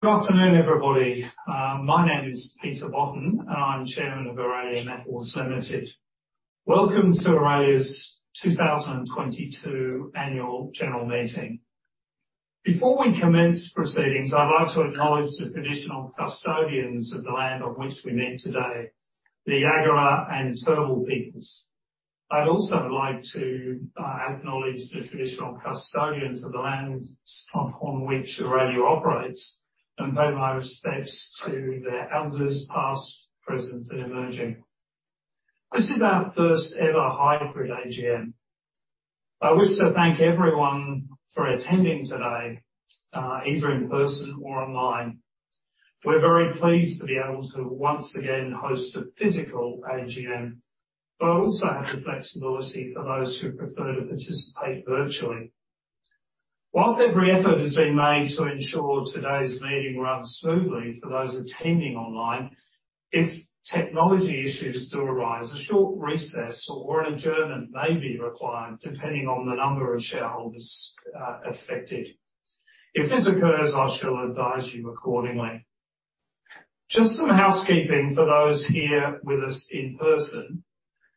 Good afternoon, everybody. My name is Peter Botten, and I'm Chairman of Aurelia Metals Limited. Welcome to Aurelia's 2022 Annual General Meeting. Before we commence proceedings, I'd like to acknowledge the traditional custodians of the land on which we meet today, the Jagera and Turrbal peoples. I'd also like to acknowledge the traditional custodians of the lands upon which Aurelia operates and pay my respects to their elders past, present, and emerging. This is our first ever hybrid AGM. I wish to thank everyone for attending today, either in person or online. We're very pleased to be able to once again host a physical AGM, but also have the flexibility for those who prefer to participate virtually. Whilst every effort has been made to ensure today's meeting runs smoothly for those attending online, if technology issues do arise, a short recess or an adjournment may be required depending on the number of shareholders affected. If this occurs, I shall advise you accordingly. Just some housekeeping for those here with us in person.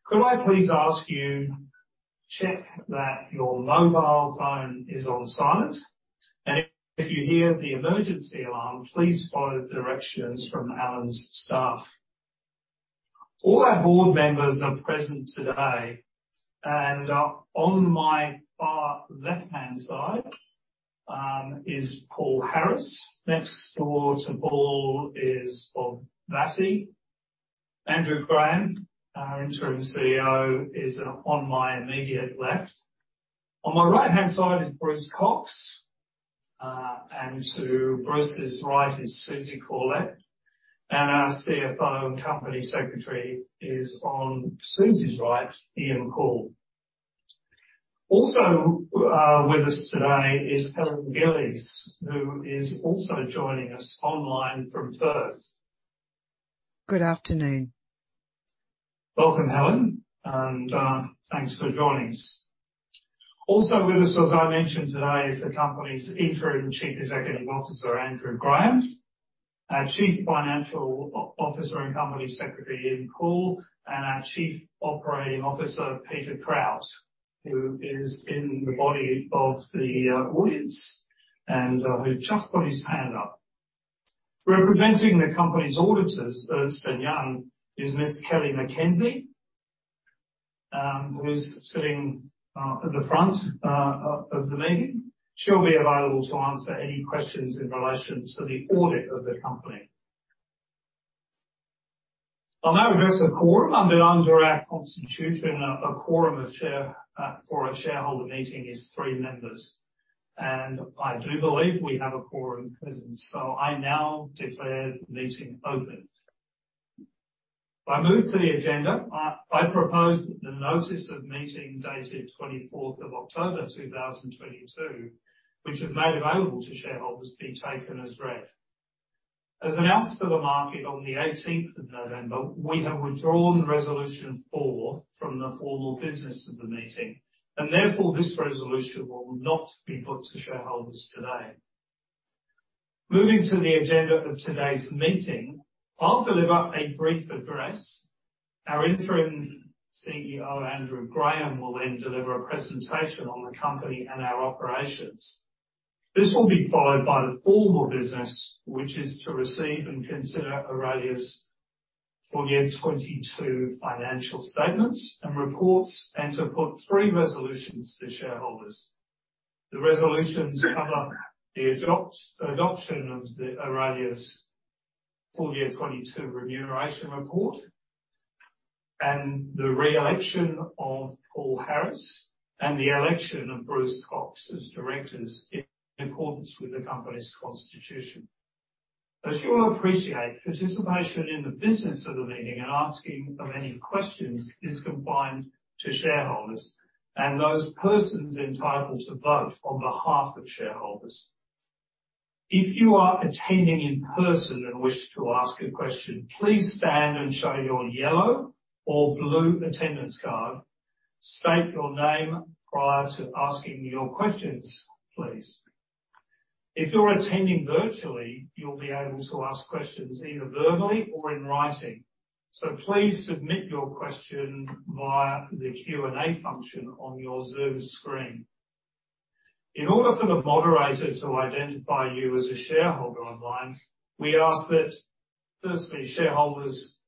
Could I please ask you, check that your mobile phone is on silent, and if you hear the emergency alarm, please follow the directions from Alan's staff. All our board members are present today and are on my far left-hand side, is Paul Harris. Next door to Paul is Bob Vassie. Andrew Graham, our Interim CEO, is on my immediate left. On my right-hand side is Bruce Cox. To Bruce's right is Susie Corlett. Our CFO and Company Secretary is on Susie's right, Ian Poole. Also, with us today is Helen Gillies, who is also joining us online from Perth. Good afternoon. Welcome, Helen. Thanks for joining us. Also with us, as I mentioned today, is the company's Interim Chief Executive Officer, Andrew Graham, our Chief Financial Officer and Company Secretary, Ian Poole, and our Chief Operating Officer, Peter Trout, who is in the body of the audience and who just put his hand up. Representing the company's auditors, Ernst & Young, is Ms. Kellie McKenzie, who's sitting at the front of the meeting. She'll be available to answer any questions in relation to the audit of the company. I'll now address the quorum. Under our constitution, a quorum for a shareholder meeting is three members. I do believe we have a quorum present. I now declare the meeting open. If I move to the agenda, I propose that the notice of meeting dated 24th of October 2022, which was made available to shareholders, be taken as read. As announced to the market on the 18th of November, we have withdrawn Resolution 4 from the formal business of the meeting, and therefore this resolution will not be put to shareholders today. Moving to the agenda of today's meeting, I'll deliver a brief address. Our Interim CEO, Andrew Graham, will then deliver a presentation on the company and our operations. This will be followed by the formal business, which is to receive and consider Aurelia's full year 2022 financial statements and reports and to put three resolutions to shareholders. The resolutions cover the adoption of the Aurelia's FY22 Remuneration Report, and the re-election of Paul Harris, and the election of Bruce Cox as directors in accordance with the company's constitution. As you will appreciate, participation in the business of the meeting and asking of any questions is confined to shareholders and those persons entitled to vote on behalf of shareholders. If you are attending in person and wish to ask a question, please stand and show your yellow or blue attendance card. State your name prior to asking your questions, please. If you're attending virtually, you'll be able to ask questions either verbally or in writing. Please submit your question via the Q&A function on your Zoom screen. In order for the moderator to identify you as a shareholder online, we ask that firstly, shareholders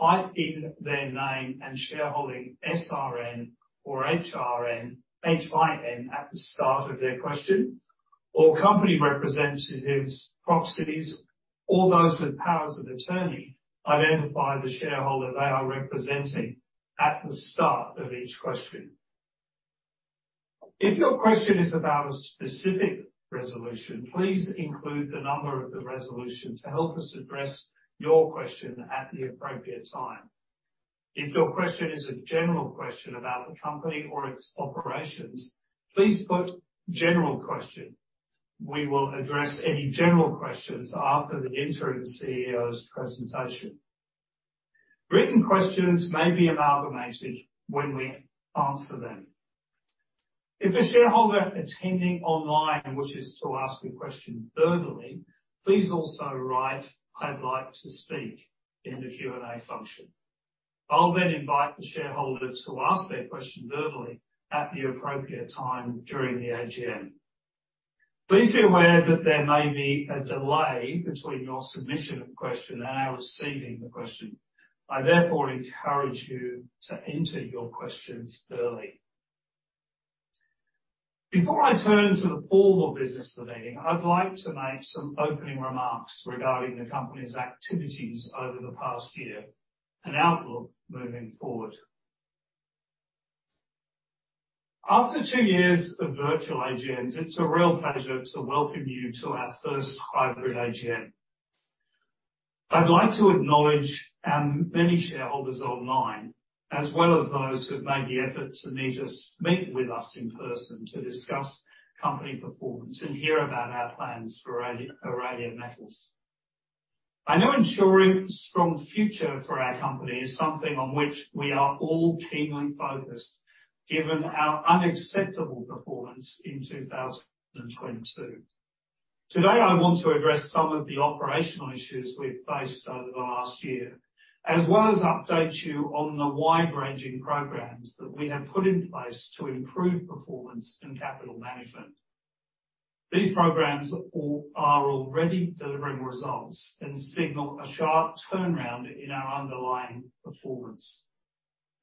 type in their name and shareholding SRN or HIN at the start of their question, or company representatives, proxies, or those with powers of attorney identify the shareholder they are representing at the start of each question. If your question is about a specific resolution, please include the number of the resolution to help us address your question at the appropriate time. If your question is a general question about the company or its operations, please put general question. We will address any general questions after the Interim CEO's presentation. Written questions may be amalgamated when we answer them. If a shareholder attending online wishes to ask a question verbally, please also write, "I'd like to speak," in the Q&A function. I'll then invite the shareholders to ask their question verbally at the appropriate time during the AGM. Please be aware that there may be a delay between your submission of question and our receiving the question. I therefore encourage you to enter your questions early. Before I turn to the formal business of the meeting, I'd like to make some opening remarks regarding the company's activities over the past year and outlook moving forward. After two years of virtual AGMs, it's a real pleasure to welcome you to our first hybrid AGM. I'd like to acknowledge our many shareholders online, as well as those who've made the effort to meet with us in person to discuss company performance and hear about our plans for Aurelia Metals. I know ensuring strong future for our company is something on which we are all keenly focused, given our unacceptable performance in 2022. Today, I want to address some of the operational issues we've faced over the last year, as well as update you on the wide-ranging programs that we have put in place to improve performance and capital management. These programs are already delivering results and signal a sharp turnaround in our underlying performance.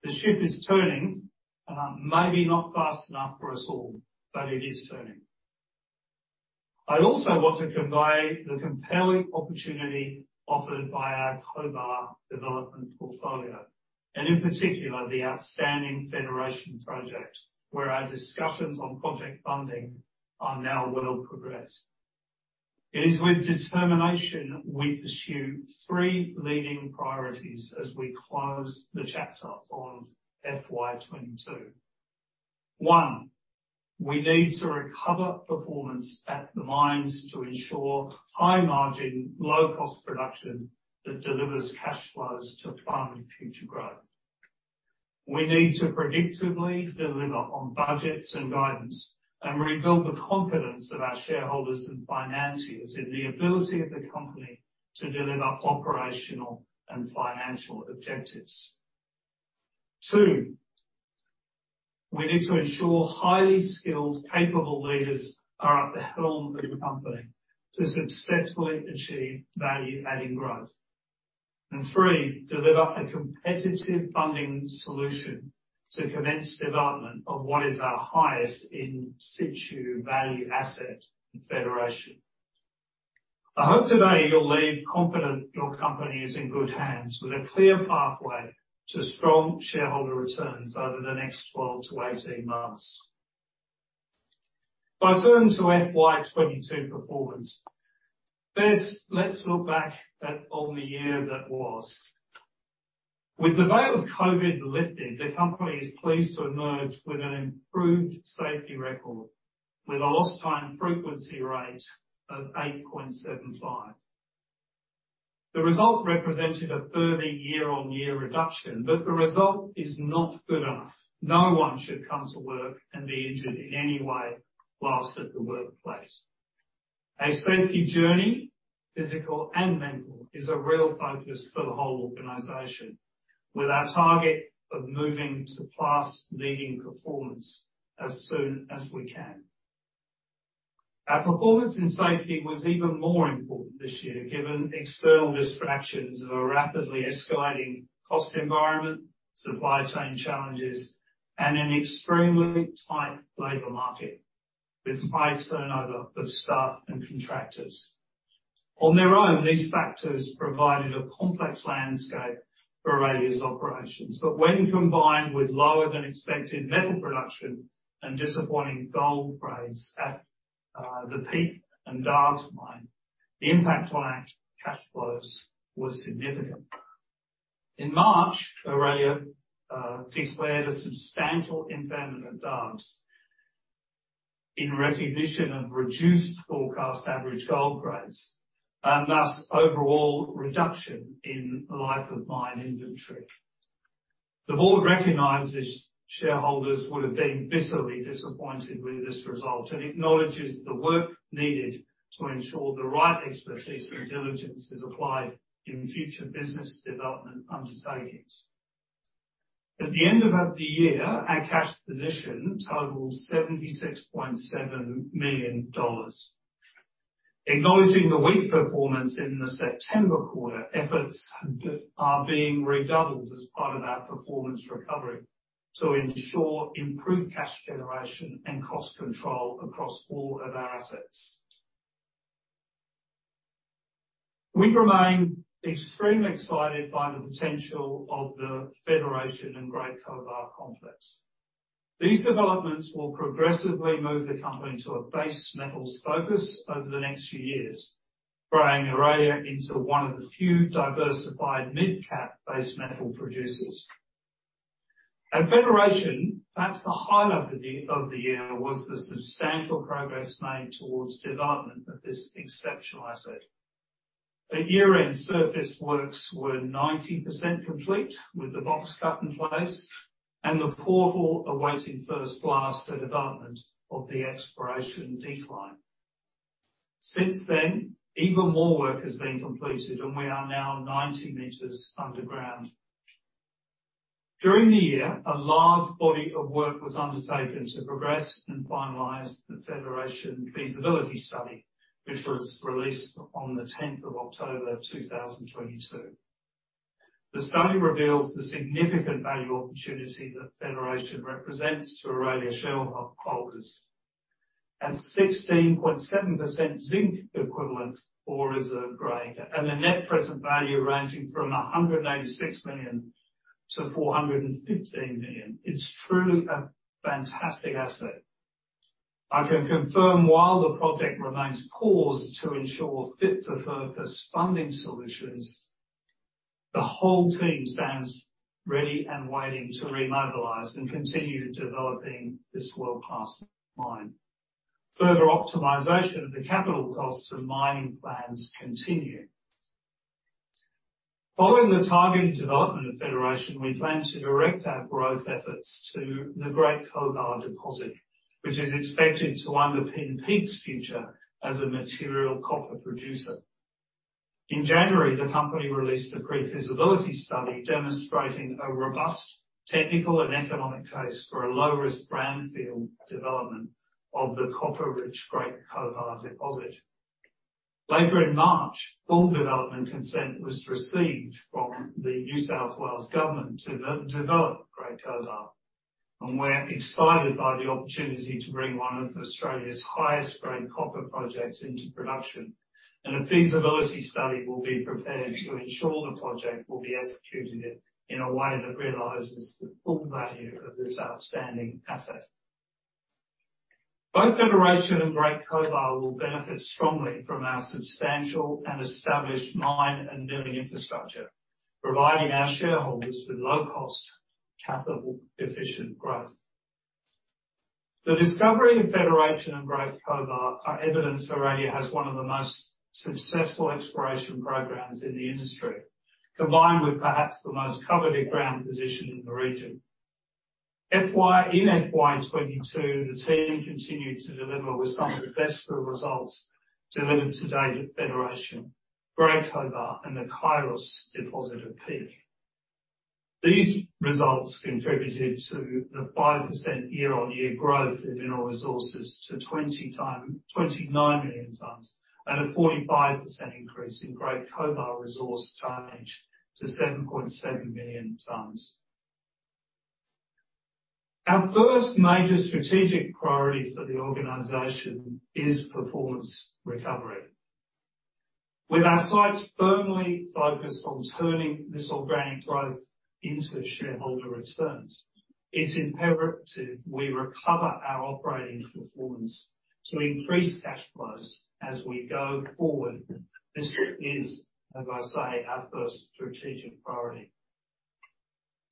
The ship is turning, maybe not fast enough for us all, but it is turning. I also want to convey the compelling opportunity offered by our Cobar development portfolio, and in particular, the outstanding Federation project, where our discussions on project funding are now well progressed. It is with determination we pursue three leading priorities as we close the chapter on FY 22. 1, we need to recover performance at the mines to ensure high margin, low cost production that delivers cash flows to fund future growth. We need to predictably deliver on budgets and guidance and rebuild the confidence of our shareholders and financiers in the ability of the company to deliver operational and financial objectives. 2, we need to ensure highly skilled, capable leaders are at the helm of the company to successfully achieve value-adding growth. 3, deliver a competitive funding solution to commence development of what is our highest in situ value asset in Federation. I hope today you'll leave confident your company is in good hands with a clear pathway to strong shareholder returns over the next 12-18 months. If I turn to FY 2022 performance. First, let's look back at on the year that was. With the veil of COVID lifted, the company is pleased to emerge with an improved safety record with a lost time frequency rate of 8.75. The result represented a further year-on-year reduction. The result is not good enough. No one should come to work and be injured in any way whilst at the workplace. A safety journey, physical and mental, is a real focus for the whole organization, with our target of moving to class-leading performance as soon as we can. Our performance in safety was even more important this year, given external distractions of a rapidly escalating cost environment, supply chain challenges, and an extremely tight labor market with high turnover of staff and contractors. On their own, these factors provided a complex landscape for Aurelia's operations. When combined with lower than expected metal production and disappointing gold grades at the Peak and Dargues Mine, the impact on cash flows was significant. In March, Aurelia declared a substantial impairment at Dargues in recognition of reduced forecast average gold grades and thus overall reduction in life of mine inventory. The board recognizes shareholders would have been bitterly disappointed with this result and acknowledges the work needed to ensure the right expertise and diligence is applied in future business development undertakings. At the end of the year, our cash position totaled AUD 76.7 million. Acknowledging the weak performance in the September quarter, efforts are being redoubled as part of our performance recovery to ensure improved cash generation and cost control across all of our assets. We remain extremely excited by the potential of the Federation and Great Cobar complex. These developments will progressively move the company to a base metals focus over the next few years, growing Aurelia into one of the few diversified mid-cap base metal producers. At Federation, perhaps the highlight of the year was the substantial progress made towards development of this exceptional asset. At year-end, surface works were 90% complete with the box cut in place and the portal awaiting first blast for development of the exploration decline. Since then, even more work has been completed, and we are now 90 metres underground. During the year, a large body of work was undertaken to progress and finalize the Federation feasibility study, which was released on the 10th of October 2022. The study reveals the significant value opportunity that Federation represents to Aurelia shareholders. At 16.7% zinc equivalent ore reserve grade and a net present value ranging from 186 million to 415 million, it's truly a fantastic asset. I can confirm while the project remains paused to ensure fit for purpose funding solutions, the whole team stands ready and waiting to remobilize and continue developing this world-class mine. Further optimization of the capital costs and mining plans continue. Following the targeted development of Federation, we plan to direct our growth efforts to the Great Cobar deposit, which is expected to underpin Peak's future as a material copper producer. In January, the company released a pre-feasibility study demonstrating a robust technical and economic case for a low-risk brownfield development of the copper-rich Great Cobar deposit. Later in March, full development consent was received from the New South Wales government to develop Great Cobar, we're excited by the opportunity to bring one of Australia's highest-grade copper projects into production. A feasibility study will be prepared to ensure the project will be executed in a way that realizes the full value of this outstanding asset. Both Federation and Great Cobar will benefit strongly from our substantial and established mine and milling infrastructure, providing our shareholders with low cost, capital efficient growth. The discovery of Federation and Great Cobar are evidence Aurelia has one of the most successful exploration programs in the industry, combined with perhaps the most coveted ground position in the region. In FY 2022, the team continued to deliver with some of the best drill results delivered to date at Federation, Great Cobar and the Kairos deposit at Peak. These results contributed to the 5% year-on-year growth in mineral resources to 29 million tonnes and a 45% increase in Great Cobar resource tonnage to 7.7 million tonnes. Our first major strategic priority for the organization is performance recovery. With our sights firmly focused on turning this organic growth into shareholder returns, it's imperative we recover our operating performance to increase cash flows as we go forward. This is, as I say, our first strategic priority.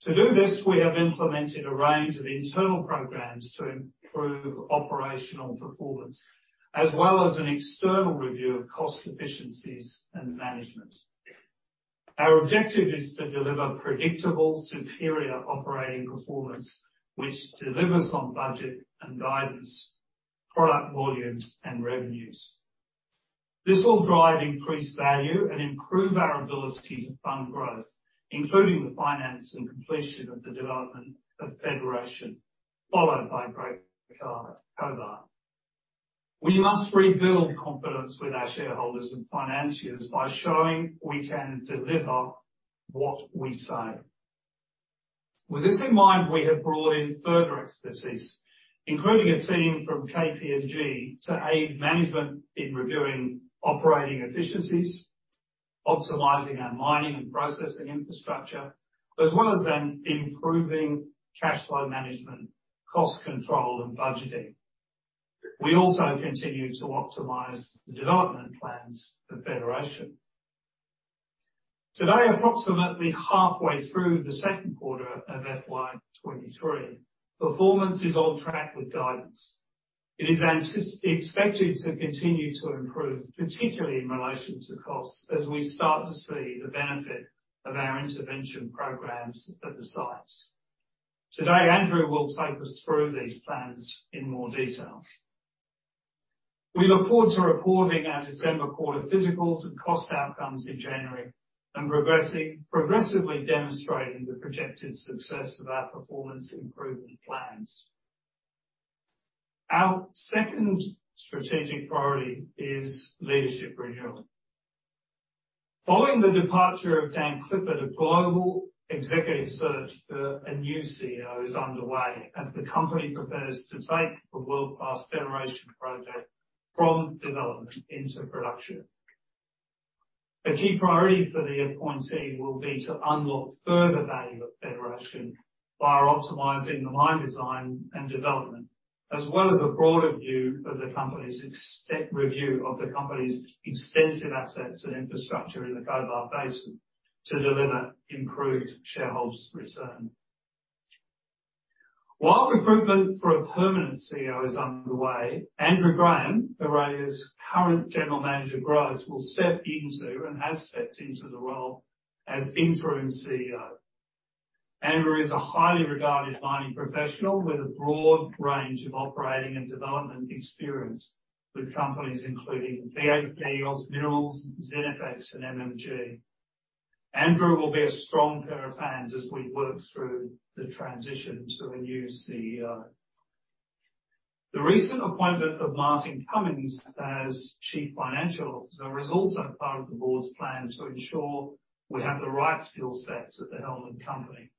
To do this, we have implemented a range of internal programs to improve operational performance, as well as an external review of cost efficiencies and management. Our objective is to deliver predictable, superior operating performance, which delivers on budget and guidance, product volumes and revenues. This will drive increased value and improve our ability to fund growth, including the finance and completion of the development of Federation followed by Great Cobar. We must rebuild confidence with our shareholders and financiers by showing we can deliver what we say. With this in mind, we have brought in further expertise, including a team from KPMG to aid management in reviewing operating efficiencies, optimizing our mining and processing infrastructure, as well as then improving cash flow management, cost control and budgeting. We also continue to optimize the development plans for Federation. Today, approximately halfway through the second quarter of FY 2023, performance is on track with guidance. It is expected to continue to improve, particularly in relation to costs, as we start to see the benefit of our intervention programs at the sites. Today, Andrew will take us through these plans in more detail. We look forward to reporting our December quarter physicals and cost outcomes in January progressively demonstrating the projected success of our performance improvement plans. Our second strategic priority is leadership renewal. Following the departure of Dan Clifford, a global executive search for a new CEO is underway as the company prepares to take the world-class Federation project from development into production. A key priority for the appointee will be to unlock further value at Federation via optimizing the mine design and development, as well as a broader review of the company's extensive assets and infrastructure in the Cobar Basin to deliver improved shareholders' return. Recruitment for a permanent CEO is underway, Andrew Graham, Aurelia's current General Manager of Growth, has stepped into the role as interim CEO. Andrew is a highly regarded mining professional with a broad range of operating and development experience with companies including BHP, OZ Minerals, Zinifex and MMG. Andrew will be a strong pair of hands as we work through the transition to a new CEO. The recent appointment of Martin Cummings as Chief Financial Officer is also part of the board's plan to ensure we have the right skill sets at the helm of the company.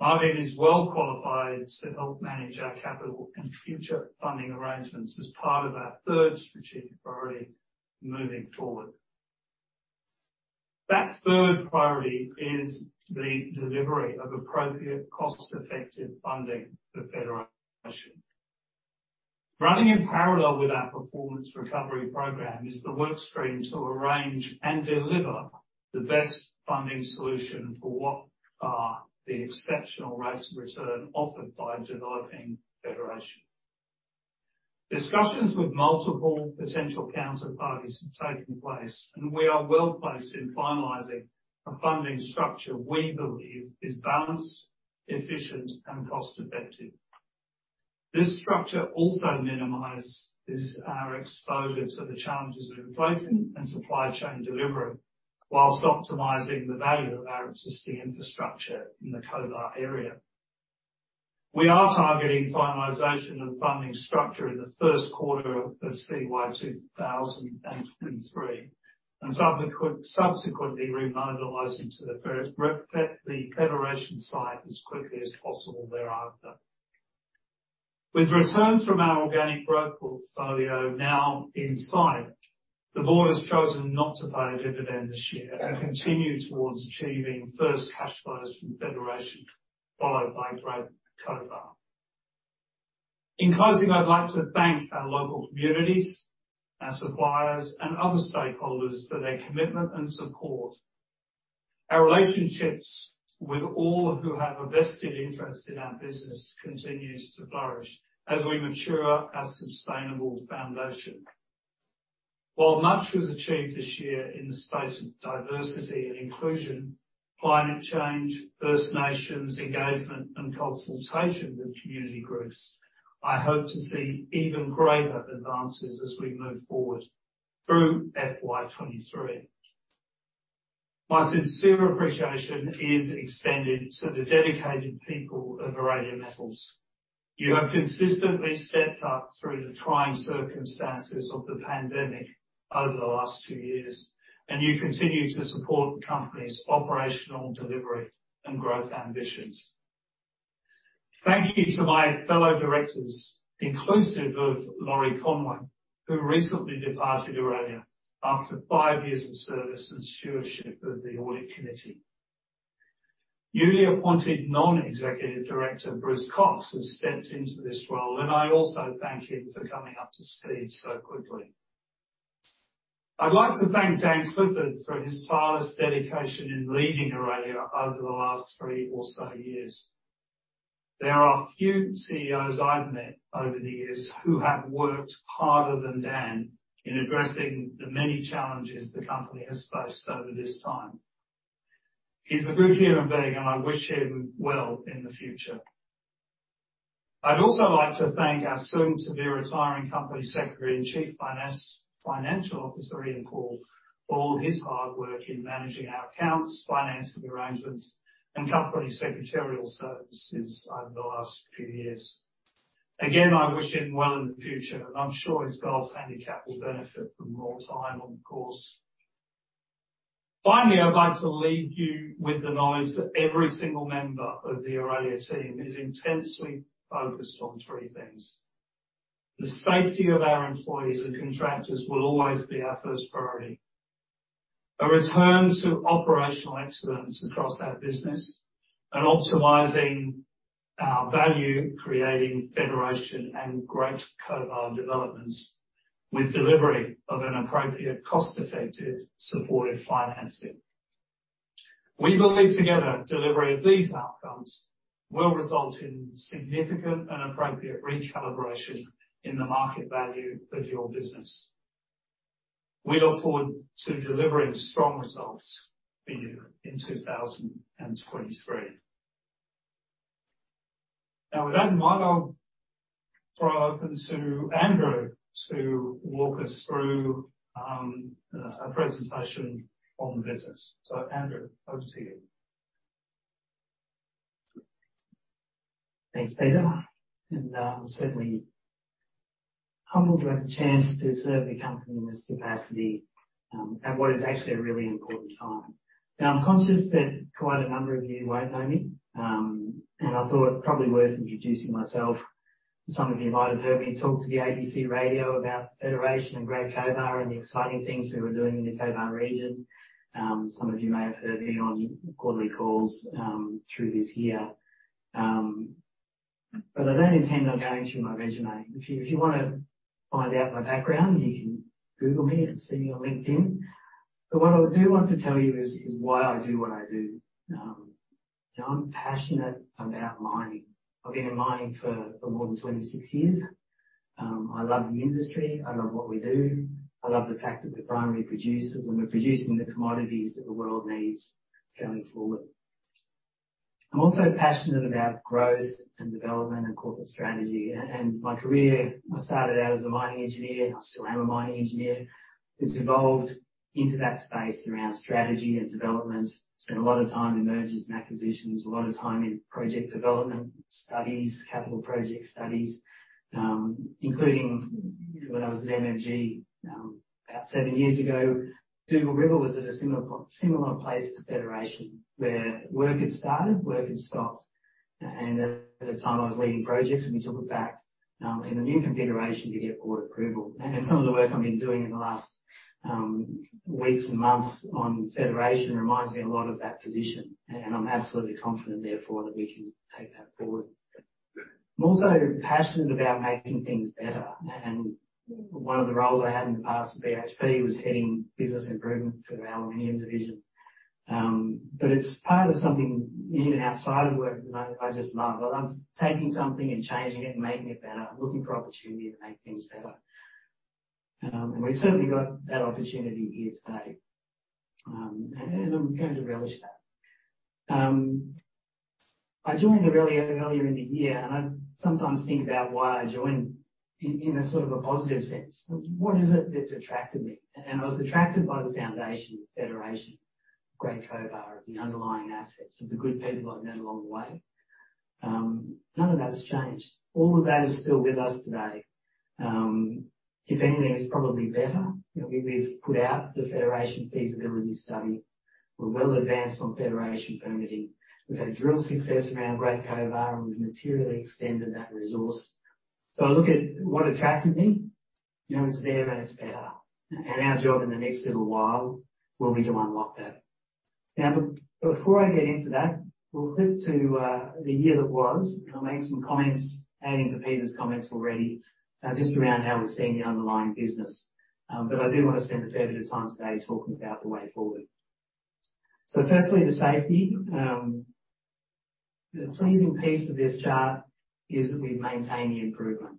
Martin is well qualified to help manage our capital and future funding arrangements as part of our third strategic priority moving forward. That third priority is the delivery of appropriate cost-effective funding for Federation. Running in parallel with our performance recovery program is the work stream to arrange and deliver the best funding solution for what are the exceptional rates of return offered by developing Federation. Discussions with multiple potential counterparties are taking place. We are well-placed in finalizing a funding structure we believe is balanced, efficient, and cost-effective. This structure also minimizes our exposure to the challenges of inflation and supply chain delivery while optimizing the value of our existing infrastructure in the Cobar area. We are targeting finalization of funding structure in the first quarter of CY 2023, and subsequently remobilizing to the Federation site as quickly as possible thereafter. With returns from our organic growth portfolio now in sight, the board has chosen not to pay a dividend this year and continue towards achieving first cash flows from Federation, followed by Great Cobar. In closing, I'd like to thank our local communities, our suppliers, and other stakeholders for their commitment and support. Our relationships with all who have a vested interest in our business continues to flourish as we mature our sustainable foundation. While much was achieved this year in the space of diversity and inclusion, climate change, First Nations engagement, and consultation with community groups, I hope to see even greater advances as we move forward through FY 2023. My sincere appreciation is extended to the dedicated people of Aurelia Metals. You have consistently stepped up through the trying circumstances of the pandemic over the last two years, and you continue to support the company's operational delivery and growth ambitions. Thank you to my fellow directors, inclusive of Lawrie Conway, who recently departed Aurelia after five years of service and stewardship of the audit committee. Newly appointed non-executive director, Bruce Cox, has stepped into this role, and I also thank him for coming up to speed so quickly. I'd like to thank Dan Clifford for his tireless dedication in leading Aurelia over the last three or so years. There are few CEOs I've met over the years who have worked harder than Dan in addressing the many challenges the company has faced over this time. He's a good human being, and I wish him well in the future. I'd also like to thank our soon-to-be retiring company secretary and chief financial officer, Ian Poole, for all his hard work in managing our accounts, financing arrangements, and company secretarial services over the last few years. Again, I wish him well in the future, and I'm sure his golf handicap will benefit from more time on the course. Finally, I'd like to leave you with the knowledge that every single member of the Aurelia team is intensely focused on three things. The safety of our employees and contractors will always be our first priority. A return to operational excellence across our business, optimizing our value-creating Federation and Great Cobar developments with delivery of an appropriate, cost-effective supportive financing. We believe together, delivery of these outcomes will result in significant and appropriate recalibration in the market value of your business. We look forward to delivering strong results for you in 2023. With that in mind, I'll throw open to Andrew to walk us through a presentation on the business. Andrew, over to you. Thanks, Peter. I'm certainly humbled to have the chance to serve the company in this capacity, at what is actually a really important time. Now, I'm conscious that quite a number of you won't know me, and I thought probably worth introducing myself. Some of you might have heard me talk to the ABC Radio about Federation and Great Cobar and the exciting things we were doing in the Cobar region. Some of you may have heard me on quarterly calls, through this year. I don't intend on going through my resume. If you wanna find out my background, you can Google me and see me on LinkedIn. What I do want to tell you is why I do what I do. You know, I'm passionate about mining. I've been in mining for more than 26 years. I love the industry. I love what we do. I love the fact that we're primary producers, and we're producing the commodities that the world needs going forward. I'm also passionate about growth and development and corporate strategy. And my career, I started out as a mining engineer. I still am a mining engineer. It's evolved into that space around strategy and development, spent a lot of time in mergers and acquisitions, a lot of time in project development studies, capital project studies, including when I was at MMG, about seven years ago. Dugald River was at a similar place to Federation where work had started, work had stopped. At the time I was leading projects, and we took it back in a new configuration to get board approval. Some of the work I've been doing in the last weeks and months on Federation reminds me a lot of that position, and I'm absolutely confident, therefore, that we can take that forward. I'm also passionate about making things better, and one of the roles I had in the past at BHP was heading business improvement for the aluminum division. It's part of something even outside of work that I just love. I love taking something and changing it and making it better. I'm looking for opportunity to make things better. We've certainly got that opportunity here today. I'm going to relish that. I joined earlier in the year, and I sometimes think about why I joined in a sort of a positive sense. What is it that attracted me? I was attracted by the foundation of Federation, Great Cobar, of the underlying assets, of the good people I met along the way. None of that's changed. All of that is still with us today. If anything, it's probably better. You know, we've put out the Federation feasibility study. We're well advanced on Federation permitting. We've had drill success around Great Cobar, and we've materially extended that resource. I look at what attracted me. You know, it's there and it's better. Our job in the next little while will be to unlock that. Before I get into that, we'll flip to the year that was, and I'll make some comments, adding to Peter's comments already, just around how we're seeing the underlying business. I do want to spend a fair bit of time today talking about the way forward. Firstly, the safety. The pleasing piece of this chart is that we've maintained the improvement.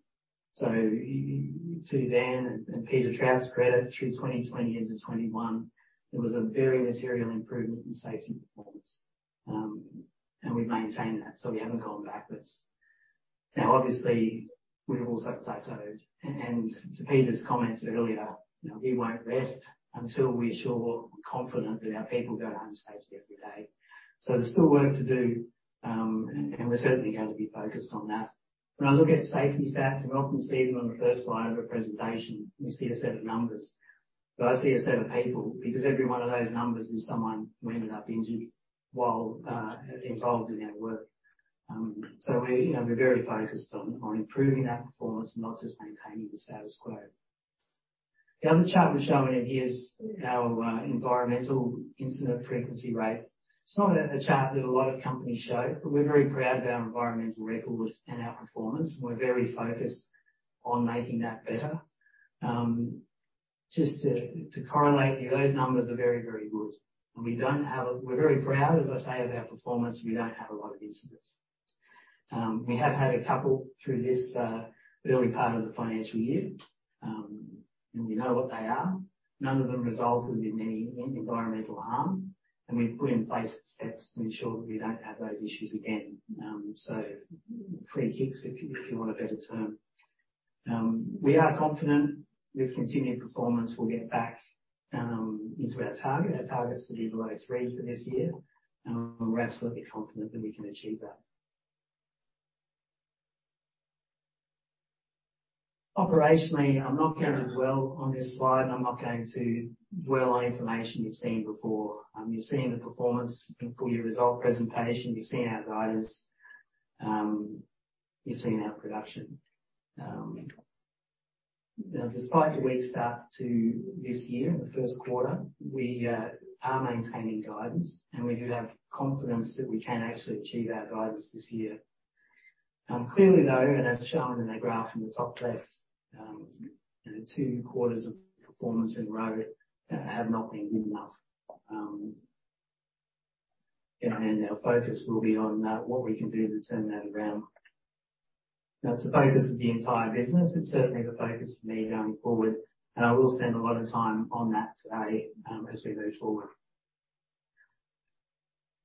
To Dan and Peter Trout's credit, through 2020 into 2021, there was a very material improvement in safety performance. We've maintained that, so we haven't gone backwards. Obviously, we've also plateaued. To Peter's comments earlier, you know, we won't rest until we are sure and confident that our people go home safely every day. There's still work to do, and we're certainly going to be focused on that. When I look at safety stats, we often see them on the first line of a presentation. We see a set of numbers. I see a set of people because every one of those numbers is someone wounded or injured while involved in our work. We're, you know, we're very focused on improving that performance, not just maintaining the status quo. The other chart we're showing in here is our Environmental Incident Frequency Rate. It's not a chart that a lot of companies show. We're very proud of our environmental record and our performance, and we're very focused on making that better. Just to correlate, those numbers are very good. We don't have. We're very proud, as I say, of our performance. We don't have a lot of incidents. We have had a couple through this early part of the financial year. We know what they are. None of them resulted in any environmental harm. We've put in place steps to ensure that we don't have those issues again. Free kicks if you want a better term. We are confident with continued performance we'll get back into our target. Our target is to be below three for this year. We're absolutely confident that we can achieve that. Operationally, I'm not going to dwell on this slide, and I'm not going to dwell on information you've seen before. You've seen the performance in full year result presentation. You've seen our guidance. You've seen our production. Despite the weak start to this year, the first quarter, we are maintaining guidance, and we do have confidence that we can actually achieve our guidance this year. Clearly though, as shown in that graph in the top left, you know, 2 quarters of performance in a row have not been good enough. Our focus will be on what we can do to turn that around. Now, it's the focus of the entire business. It's certainly the focus for me going forward, and I will spend a lot of time on that today as we move forward.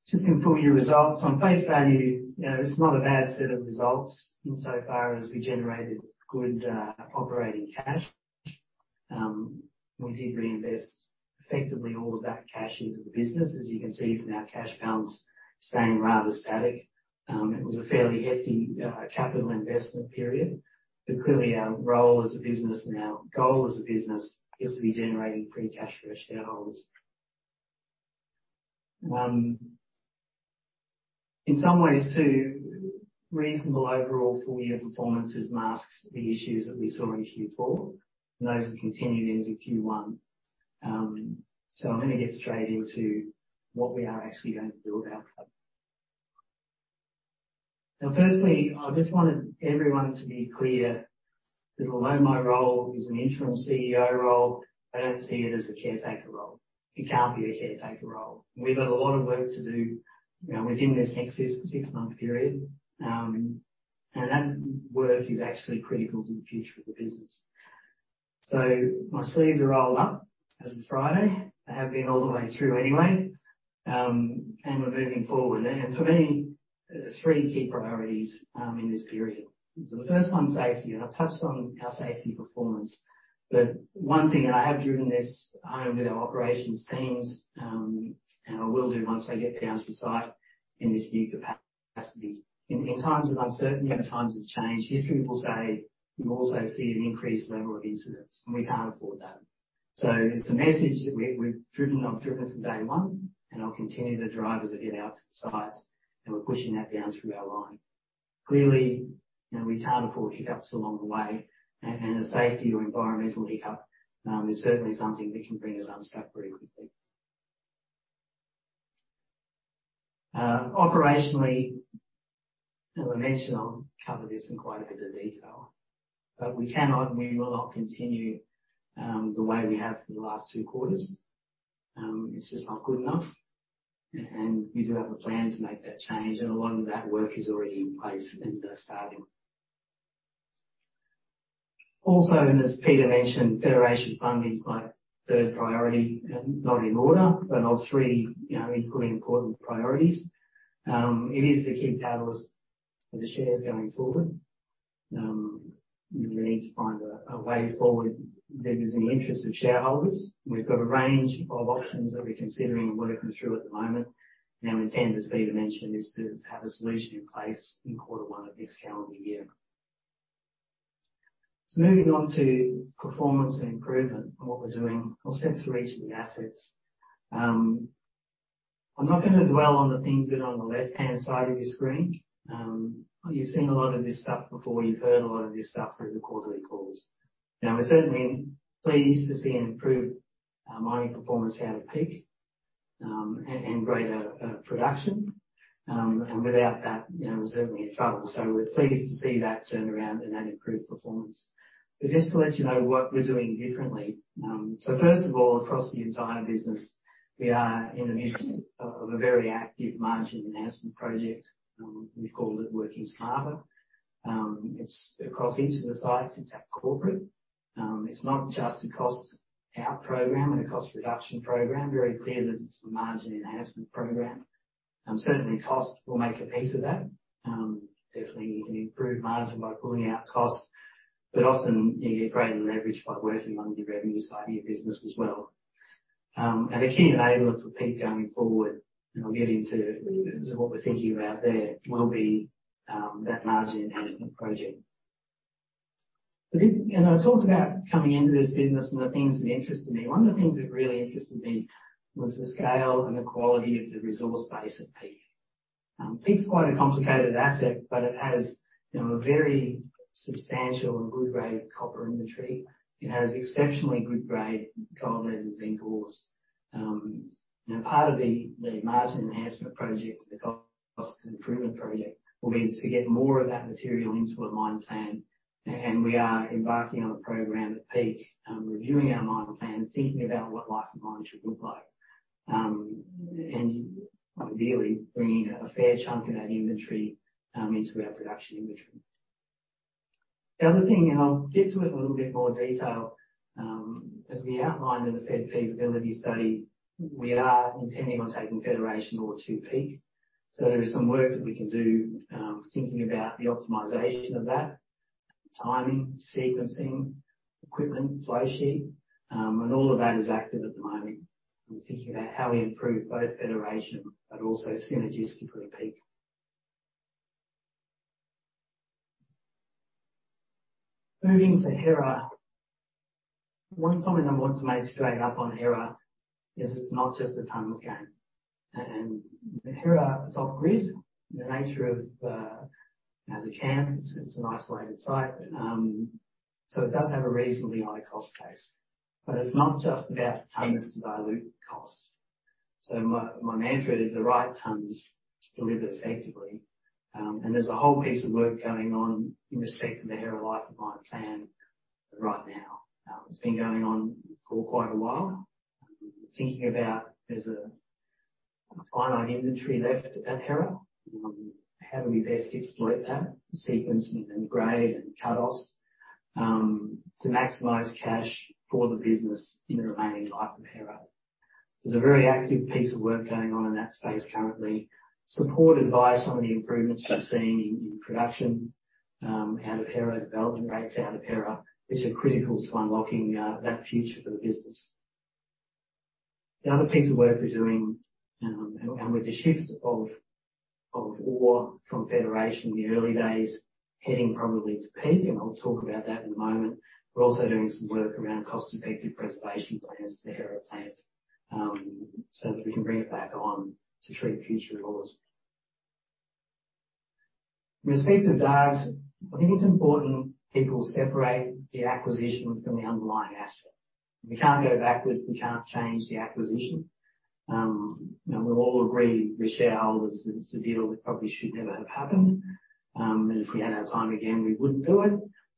Just in full year results on face value, you know, it's not a bad set of results insofar as we generated good operating cash. We did reinvest effectively all of that cash into the business. As you can see from our cash balance staying rather static. It was a fairly hefty capital investment period. Clearly our role as a business and our goal as a business is to be generating free cash for our shareholders. In some ways too, reasonable overall full year performances masks the issues that we saw in Q4. Those have continued into Q1. I'm gonna get straight into what we are actually going to do about that. Firstly, I just wanted everyone to be clear that although my role is an interim CEO role, I don't see it as a caretaker role. It can't be a caretaker role. We've got a lot of work to do, you know, within this next six-month period. That work is actually critical to the future of the business. My sleeves are rolled up as of Friday. They have been all the way through anyway. We're moving forward. For me, there's three key priorities in this period. The first one's safety. I've touched on our safety performance. One thing, and I have driven this home with our operations teams, and I will do once I get down to site in this new capacity. In times of uncertainty and times of change, history, people say you also see an increased level of incidents, and we can't afford that. It's a message that we've driven, I've driven from day one, and I'll continue to drive as I get out to the sites, and we're pushing that down through our line. Clearly, you know, we can't afford hiccups along the way and a safety or environmental hiccup, is certainly something that can bring us unstuck very quickly. Operationally, as I mentioned, I'll cover this in quite a bit of detail, but we cannot and we will not continue, the way we have for the last two quarters. It's just not good enough. We do have a plan to make that change, and a lot of that work is already in place and starting. As Peter mentioned, Federation funding is my third priority and not in order, but of three, you know, equally important priorities. It is the key catalyst for the shares going forward. We need to find a way forward that is in the interest of shareholders. We've got a range of options that we're considering and working through at the moment and our intent, as Peter mentioned, is to have a solution in place in quarter one of next calendar year. Moving on to performance improvement and what we're doing. I'll step through each of the assets. I'm not gonna dwell on the things that are on the left-hand side of your screen. You've seen a lot of this stuff before. You've heard a lot of this stuff through the quarterly calls. We're certainly pleased to see an improved mining performance out of Peak, and greater production. Without that, you know, we're certainly in trouble. We're pleased to see that turnaround and that improved performance. Just to let you know what we're doing differently. First of all, across the entire business, we are in the midst of a very active margin enhancement project. We've called it Working Smarter. It's across each of the sites. It's at corporate. It's not just a cost out program and a cost reduction program. Very clear that it's a margin enhancement program. Certainly cost will make a piece of that. Definitely you can improve margin by pulling out cost, but often you get greater leverage by working on the revenue side of your business as well. A key enabler for Peak going forward, and I'll get into what we're thinking about there, will be that margin enhancement project. You know, I talked about coming into this business and the things that interested me. One of the things that really interested me was the scale and the quality of the resource base at Peak. Peak's quite a complicated asset, but it has, you know, a very substantial and good grade copper inventory. It has exceptionally good grade gold and zinc ores. You know, part of the margin enhancement project, the cost improvement project, will be to get more of that material into a mine plan. We are embarking on a program at Peak, reviewing our mine plan, thinking about what life of mine should look like. Ideally bringing a fair chunk of that inventory into our production inventory. The other thing, I'll get to it in a little bit more detail, as we outlined in the Federation Feasibility study, we are intending on taking Federation ore to Peak. There is some work that we can do, thinking about the optimization of that, timing, sequencing, equipment, flow sheet. All of that is active at the moment. I'm thinking about how we improve both Federation but also synergies to put at Peak. Moving to Hera. One comment I want to make straight up on Hera is it's not just a tonnes game. Hera is off grid. The nature of, as a camp, it's an isolated site. It does have a reasonably high cost base, but it's not just about tons to dilute costs. My mantra is the right tons delivered effectively. There's a whole piece of work going on in respect to the Hera life of mine plan right now. It's been going on for quite a while. Thinking about there's a finite inventory left at Hera. How do we best exploit that sequence and grade and cut-offs, to maximize cash for the business in the remaining life of Hera? There's a very active piece of work going on in that space currently, supported by some of the improvements you've seen in production, out of Hera's belt and rates out of Hera, which are critical to unlocking that future for the business. The other piece of work we're doing, with the shift of ore from Federation in the early days heading probably to Peak, and I'll talk about that in a moment. We're also doing some work around cost-effective preservation plans to the Hera plant, so that we can bring it back on to treat future ores. In respect to Dargues, I think it's important people separate the acquisitions from the underlying asset. We can't go backwards, we can't change the acquisition. We all agree Richell was a deal that probably should never have happened. If we had our time again, we wouldn't do it,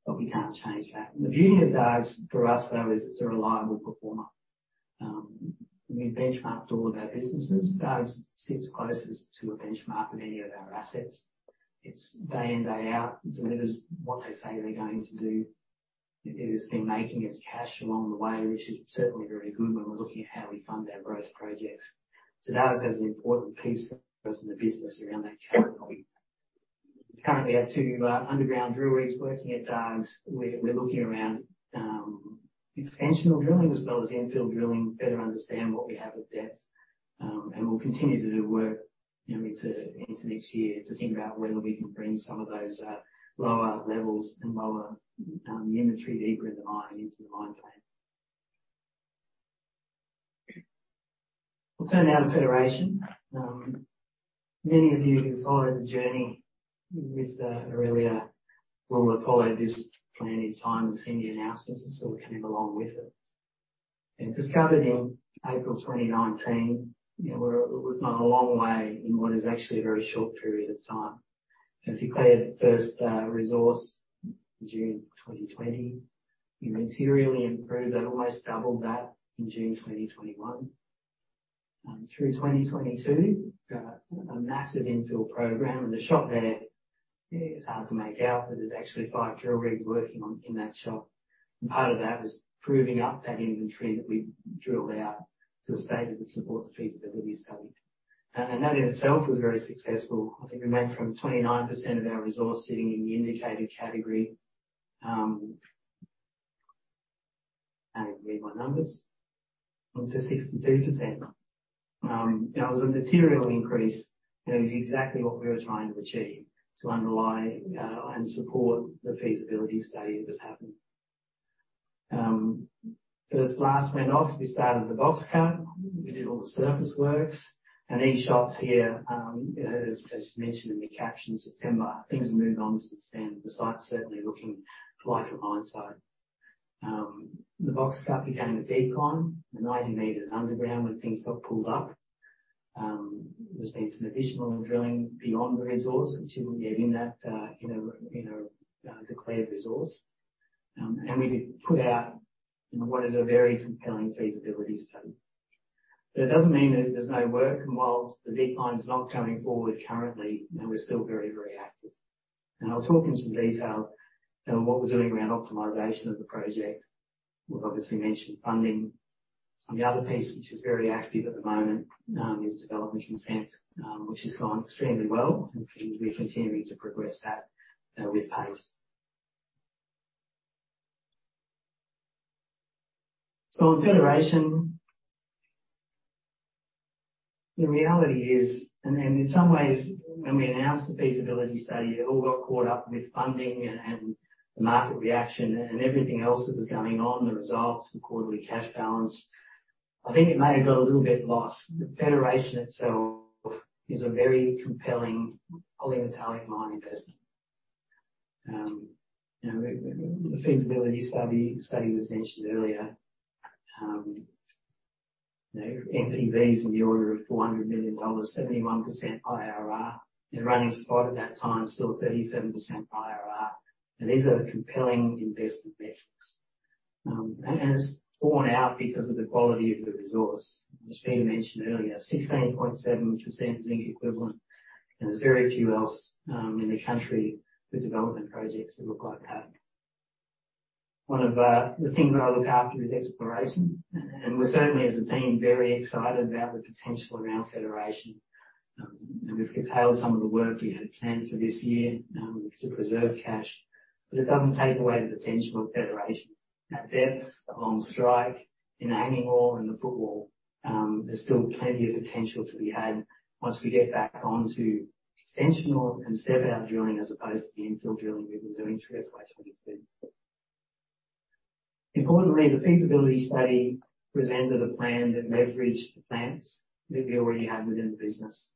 but we can't change that. The beauty of Dargues for us, though, is it's a reliable performer. We benchmarked all of our businesses. Dargues sits closest to a benchmark of any of our assets. It's day in, day out delivers what they say they're going to do. It has been making us cash along the way, which is certainly very good when we're looking at how we fund our growth projects. Dargues has an important piece for us in the business around that current point. Currently, we have two underground drill rigs working at Dargues. We're looking around extensional drilling as well as infill drilling, better understand what we have at depth. We'll continue to do work, you know, into next year to think about whether we can bring some of those lower levels and lower inventory deeper in the mine into the mine plan. We'll turn now to Federation. Many of you who followed the journey with Aurelia will have followed this plenty of times and seen the announcements and sort of came along with it. Discovered in April 2019, you know, we've come a long way in what is actually a very short period of time. Declared first resource June 2020. We materially improved that, almost doubled that in June 2021. Through 2022, got a massive infill program and the shot there, it's hard to make out, but there's actually five drill rigs working in that shot. Part of that was proving up that inventory that we drilled out to a state that would support the feasibility study. That in itself was very successful. I think we went from 29% of our resource sitting in the indicated category. I can't even read my numbers. Up to 62%. That was a material increase and is exactly what we were trying to achieve to underlie and support the feasibility study that's happened. First blast went off, we started the box cut, we did all the surface works. These shots here, as mentioned in the caption, September, things have moved on since then. The site's certainly looking like a mine site. The box cut became a decline, and 90 metres underground when things got pulled up. There's been some additional drilling beyond the resource, which isn't yet in a declared resource. We did put out what is a very compelling feasibility study. It doesn't mean there's no work. While the decline's not going forward currently, you know, we're still very, very active. I'll talk in some detail on what we're doing around optimization of the project. We've obviously mentioned funding. The other piece, which is very active at the moment, is development consent, which is going extremely well, and we're continuing to progress that with pace. In Federation... The reality is, and in some ways when we announced the feasibility study, it all got caught up with funding and the market reaction and everything else that was going on, the results, the quarterly cash balance. I think it may have got a little bit lost. The Federation itself is a very compelling polymetallic mine investment. you know, the feasibility study was mentioned earlier. you know, NPVs in the order of 400 million dollars, 71% IRR. The running spot at that time, still 37% IRR. These are compelling investment metrics. and it's borne out because of the quality of the resource, which Pete mentioned earlier, 16.7% zinc equivalent. There's very few else in the country with development projects that look like that. One of the things that I look after is exploration. We're certainly as a team, very excited about the potential around Federation. We've curtailed some of the work we had planned for this year to preserve cash, but it doesn't take away the potential of Federation. At depth, along strike, in the hanging wall and the footwall, there's still plenty of potential to be had once we get back onto extensional and step out drilling as opposed to the infill drilling we've been doing through 2022. Importantly, the feasibility study presented a plan that leveraged the plants that we already have within the business.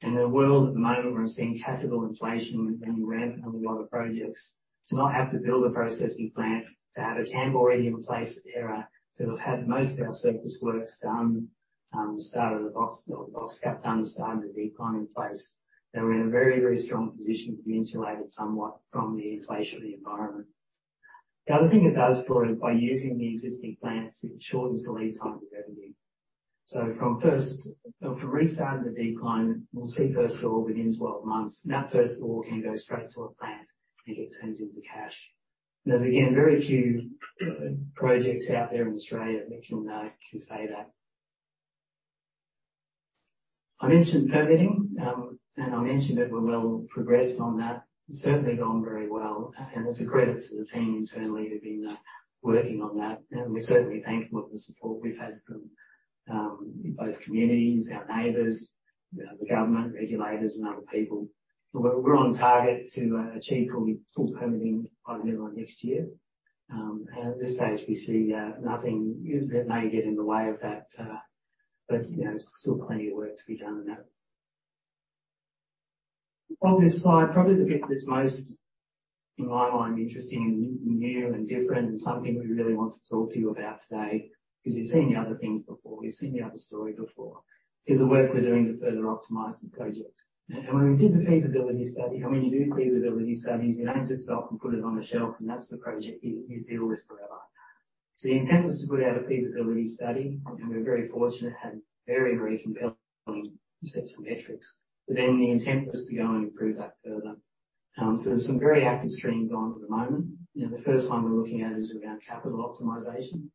In a world at the moment where we're seeing capital inflation running rampant on a lot of projects, to not have to build a processing plant, to have a camp already in place at Hera, to have had most of our surface works done, the box cut done, the start of the decline in place. We're in a very, very strong position to be insulated somewhat from the inflation of the environment. The other thing it does for us, by using the existing plants, it shortens the lead time to revenue. From restarting the decline, we'll see first ore within 12 months. That first ore can go straight to a plant and get turned into cash. There's, again, very few projects out there in Australia that you'll know can say that. I mentioned permitting, I mentioned that we're well progressed on that. It's certainly gone very well, it's a credit to the team internally who've been working on that. We're certainly thankful of the support we've had from both communities, our neighbors, the government regulators and other people. We're on target to achieve probably full permitting by the middle of next year. At this stage we see nothing that may get in the way of that. You know, still plenty of work to be done in that. Of this slide, probably the bit that's most, in my mind, interesting and new and different, and something we really want to talk to you about today, because you've seen the other things before, you've seen the other story before, is the work we're doing to further optimize the project. When we did the feasibility study, and when you do feasibility studies, you don't just stop and put it on the shelf, and that's the project you deal with forever. The intent was to put out a feasibility study, and we're very fortunate to have very compelling sets of metrics. The intent was to go and improve that further. There's some very active streams on at the moment. You know, the first one we're looking at is around capital optimization.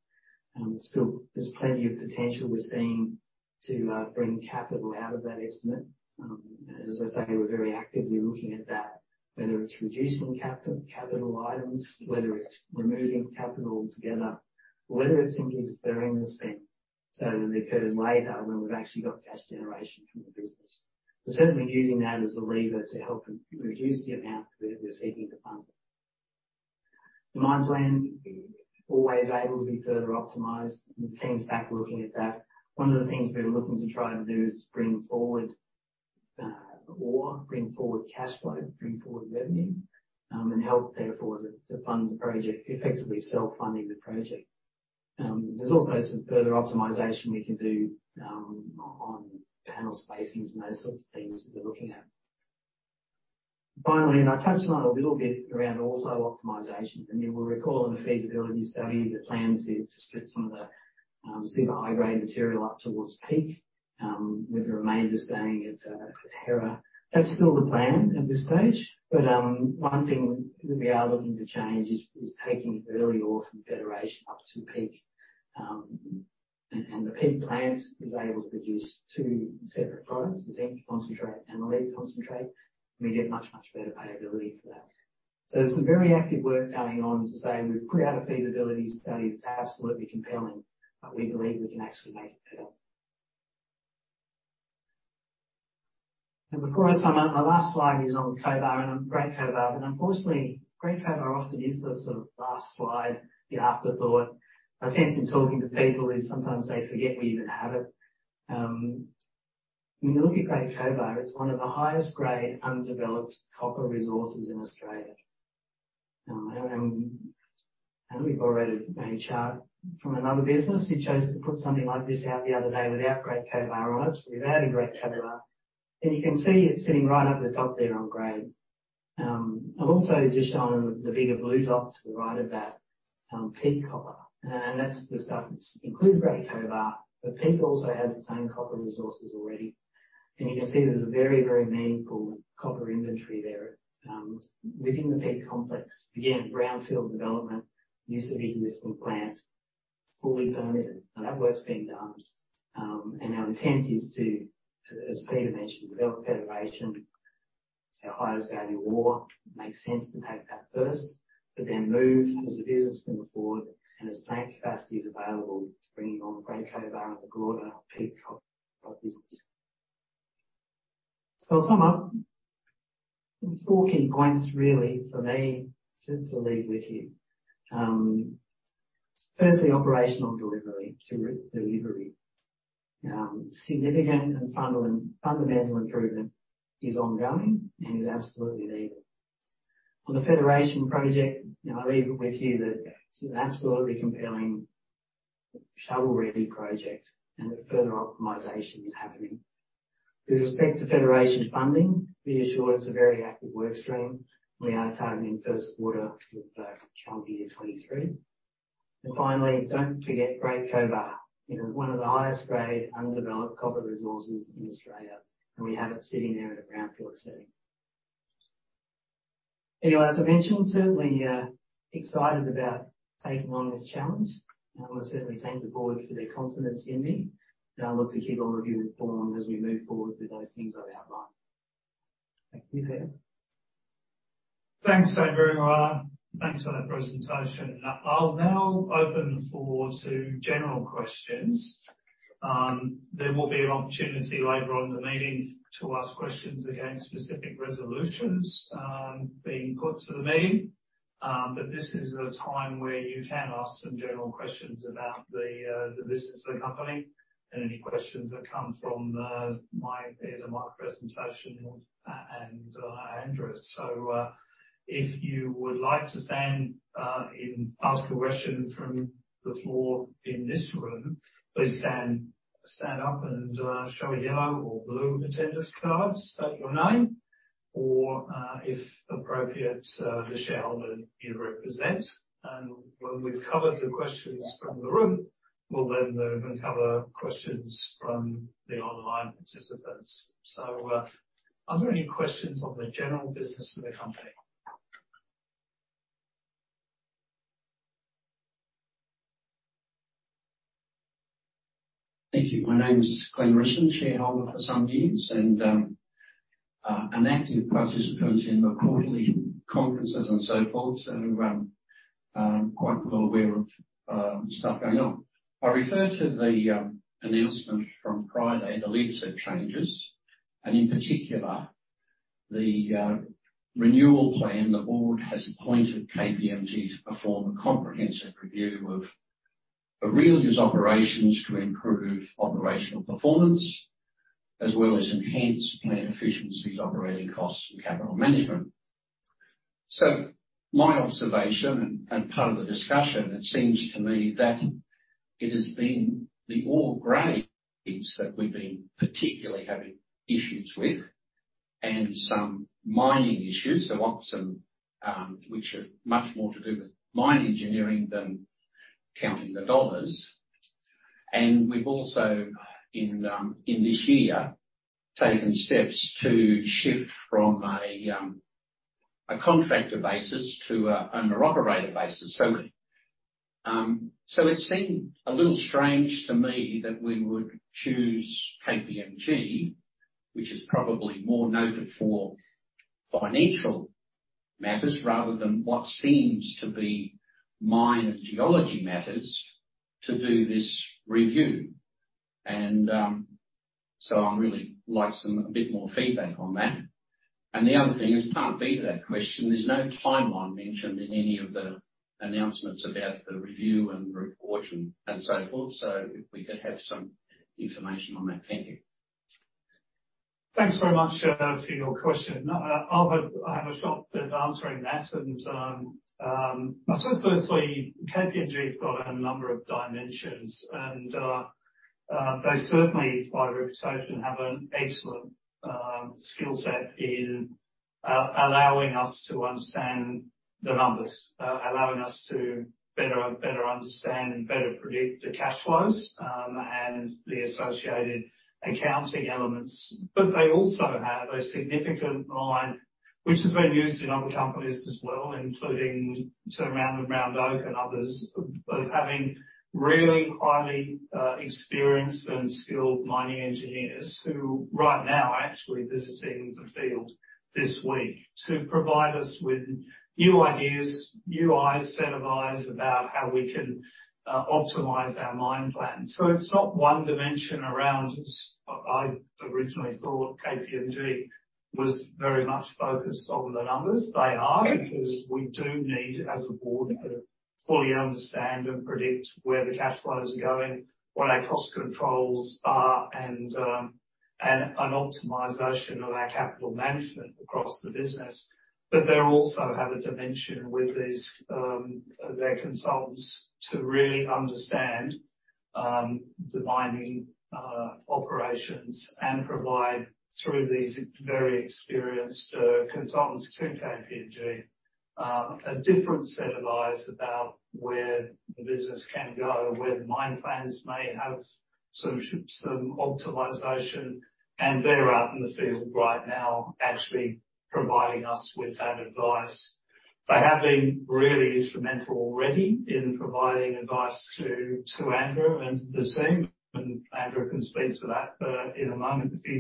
Still there's plenty of potential we're seeing to bring capital out of that estimate. As I say, we're very actively looking at that. Whether it's reducing capital items, whether it's removing capital altogether, or whether it's simply deferring the spend so that it occurs later when we've actually got cash generation from the business. We're certainly using that as a lever to help reduce the amount we're seeking to fund. The mine plan always able to be further optimized and the team's back looking at that. One of the things we're looking to try and do is bring forward ore, bring forward cash flow, bring forward revenue, and help therefore to fund the project, effectively self-funding the project. There's also some further optimization we can do on panel spacings and those sorts of things that we're looking at. Finally, I touched on it a little bit around ore flow optimization, and you will recall in the feasibility study, the plan is to split some of the super high-grade material up towards Peak, with the remainder staying at Hera. That's still the plan at this stage. One thing that we are looking to change is taking early ore from Federation up to Peak. The Peak plant is able to produce two separate products, the zinc concentrate and the lead concentrate. We get much, much better payability for that. There's some very active work going on. As I say, we've put out a feasibility study that's absolutely compelling, but we believe we can actually make it better. Before I sum up, my last slide is on Cobar, Great Cobar. Unfortunately, Great Cobar often is the sort of last slide, the afterthought. My sense in talking to people is sometimes they forget we even have it. When you look at Great Cobar, it's one of the highest grade undeveloped copper resources in Australia. And we've borrowed a chart from another business who chose to put something like this out the other day without Great Cobar on it, so we've added Great Cobar. You can see it's sitting right up the top there on grade. I've also just shown the bigger blue dot to the right of that, Peak copper. That's the stuff that's includes Great Cobar, but Peak also has its own copper resources already. You can see there's a very, very meaningful copper inventory there, within the Peak complex. Again, greenfield development, use of existing plant, fully permitted. Now, that work's been done. Our intent is to, as Peter mentioned, develop Federation. It's our highest value ore. It makes sense to take that first, but then move as the business moves forward and as plant capacity is available to bring on Great Cobar as a broader Peak copper business. I'll sum up. Four key points really for me to leave with you. Firstly, operational delivery. Significant and fundamental improvement is ongoing and is absolutely needed. On the Federation project, you know, I leave it with you that this is an absolutely compelling shovel-ready project and that further optimization is happening. With respect to Federation funding, be assured it's a very active work stream. We are targeting first quarter of calendar year 2023. Don't forget Great Cobar. It is one of the highest grade undeveloped copper resources in Australia, and we have it sitting there at a brownfield setting. As I mentioned, certainly excited about taking on this challenge. I certainly thank the board for their confidence in me, and I look to keep all of you informed as we move forward with those things I've outlined. Back to you, Peter. Thanks very much, Andrew. Thanks for that presentation. I'll now open the floor to general questions. There will be an opportunity later on in the meeting to ask questions against specific resolutions being put to the meeting. This is a time where you can ask some general questions about the business of the company and any questions that come from my, either my presentation or Andrew's. If you would like to stand up and ask a question from the floor in this room, please stand up and show a yellow or blue attendance card, state your name or, if appropriate, the shareholder you represent. When we've covered the questions from the room, we'll then cover questions from the online participants. Are there any questions on the general business of the company? Thank you. My name is Glen Rushton, shareholder for some years, and an active participant in the quarterly conferences and so forth. I'm quite well aware of stuff going on. I refer to the announcement from Friday, the leadership changes and in particular the renewal plan. The board has appointed KPMG to perform a comprehensive review of operations to improve operational performance as well as enhance plant efficiency, operating costs and capital management. My observation and part of the discussion, it seems to me that it has been the ore grades that we've been particularly having issues with and some mining issues, so some which are much more to do with mine engineering than counting the AUD. We've also in this year, taken steps to shift from a contractor basis to an operator basis. It seemed a little strange to me that we would choose KPMG, which is probably more noted for financial matters rather than what seems to be mine and geology matters to do this review. So I'm really like some, a bit more feedback on that. The other thing is, part B to that question, there's no timeline mentioned in any of the announcements about the review and report and so forth. If we could have some information on that. Thank you. Thanks very much for your question. I'll have a shot at answering that. I suppose firstly, KPMG's got a number of dimensions and they certainly by reputation have an excellent skill set in allowing us to understand the numbers. Allowing us to better understand and better predict the cash flows and the associated accounting elements. They also have a significant mine which has been used in other companies as well, including sort of Round Oak and others. Of having really highly experienced and skilled mining engineers who right now are actually visiting the field this week to provide us with new ideas, new eyes, set of eyes about how we can optimize our mine plan. It's not one dimension around I originally thought KPMG was very much focused on the numbers. They are. Okay. We do need as a board to fully understand and predict where the cash flows are going, what our cost controls are and an optimization of our capital management across the business. They also have a dimension with these their consultants to really understand the mining operations and provide through these very experienced consultants through KPMG a different set of eyes about where the business can go, where the mine plans may have some ships, some optimization. They're out in the field right now actually providing us with that advice. They have been really instrumental already in providing advice to Andrew and the team, and Andrew can speak to that in a moment, if he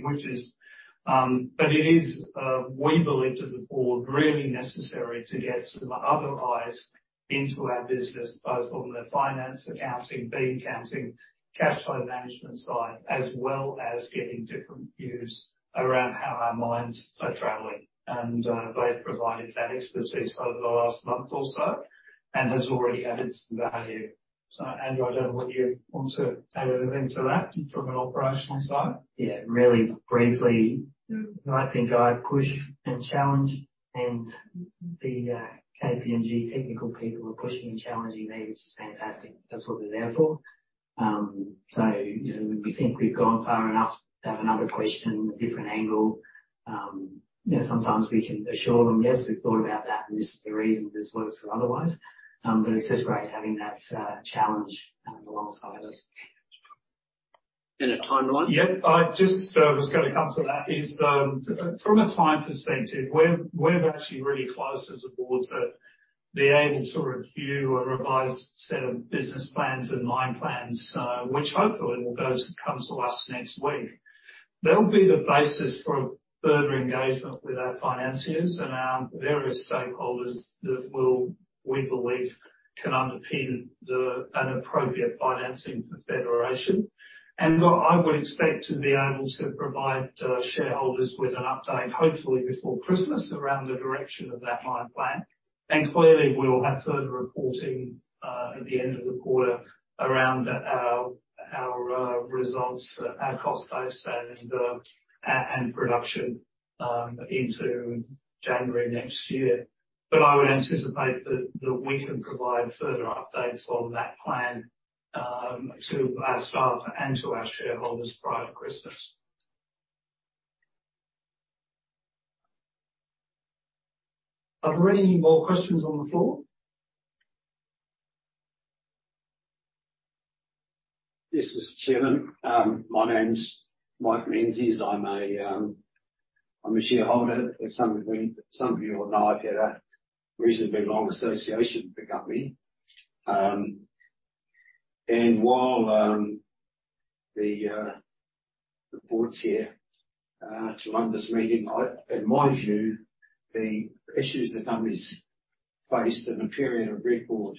wishes. It is, we believe as a board, really necessary to get some other eyes into our business, both on the finance accounting, bean counting, cash flow management side, as well as getting different views around how our mines are traveling. They've provided that expertise over the last month or so and has already added some value. Andrew, I don't know whether you want to add anything to that from an operational side? Yeah. Really briefly, I think I push and challenge and the KPMG technical people are pushing and challenging me, which is fantastic. That's what they're there for. If we think we've gone far enough to have another question, a different angle, you know, sometimes we can assure them, "Yes, we've thought about that and this is the reason this works or otherwise." It's just great having that challenge alongside us. A timeline? I just was gonna come to that. From a time perspective, we're actually really close as a board to be able to review a revised set of business plans and mine plans, which hopefully will both come to us next week. They'll be the basis for further engagement with our financiers and our various stakeholders that will, we believe, can underpin an appropriate financing for Federation. I would expect to be able to provide shareholders with an update, hopefully before Christmas, around the direction of that mine plan. Clearly we'll have further reporting at the end of the quarter around our results, our cost base and production into January next year. I would anticipate that we can provide further updates on that plan, to our staff and to our shareholders prior to Christmas. Are there any more questions on the floor? Yes, Mr. Chairman. My name's Mike Menzies. I'm a shareholder. As some of you will know, I've had a reasonably long association with the company. While the report's here to run this meeting, I, in my view, the issues the company's faced in a period of record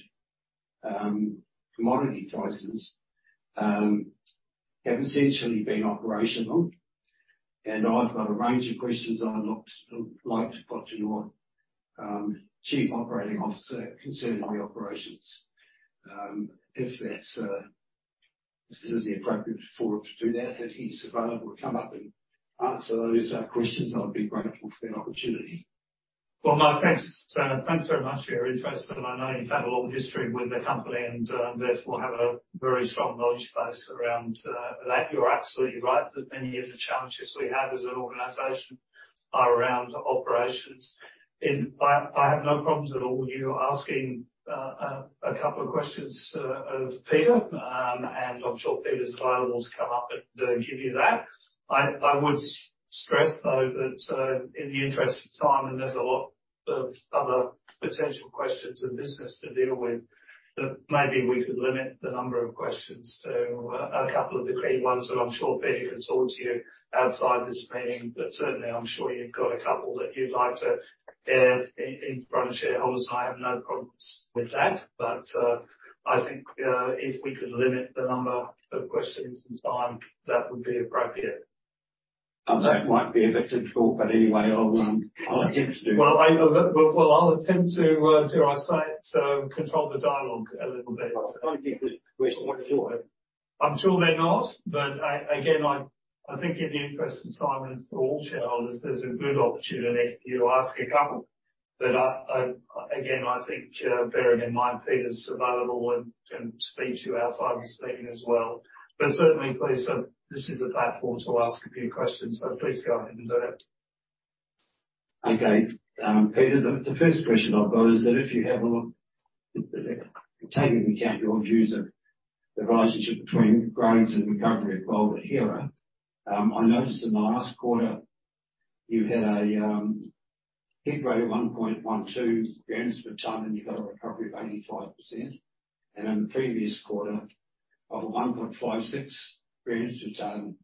commodity prices have essentially been operational. I've got a range of questions I'd like to put to your chief operating officer concerning the operations. If this is the appropriate forum to do that, if he's available to come up and answer those questions, I'd be grateful for that opportunity. Well, no, thanks. thanks very much for your interest. I know you've had a long history with the company, and, therefore have a very strong knowledge base around that. You're absolutely right that many of the challenges we have as an organization are around operations. I have no problems at all you asking a couple of questions of Peter. I'm sure Peter's available to come up and give you that. I would stress, though, that in the interest of time, and there's a lot of other potential questions and business to deal with, that maybe we could limit the number of questions to a couple of the key ones that I'm sure Peter can talk to you outside this meeting. Certainly, I'm sure you've got a couple that you'd like to air in front of shareholders. I have no problems with that. I think, if we could limit the number of questions and time, that would be appropriate. That might be a bit difficult, but anyway, I'll attempt to do. I'll attempt to, dare I say it, to control the dialogue a little bit. I don't think these are questions I want to avoid. I'm sure they're not. Again, I think in the interest of time and for all shareholders, there's a good opportunity for you to ask a couple. I again think, bearing in mind, Peter's available and can speak to you outside of this meeting as well. Certainly, please, this is a platform to ask a few questions, so please go ahead and do it. Okay. Peter, the first question I've got is that if you have a look, taking into account your views of the relationship between grades and recovery of gold at Hera, I noticed in the last quarter you had a head grade of 1.12 grams per tonne, and you got a recovery of 85%. In the previous quarter of 1.56 grams per tonne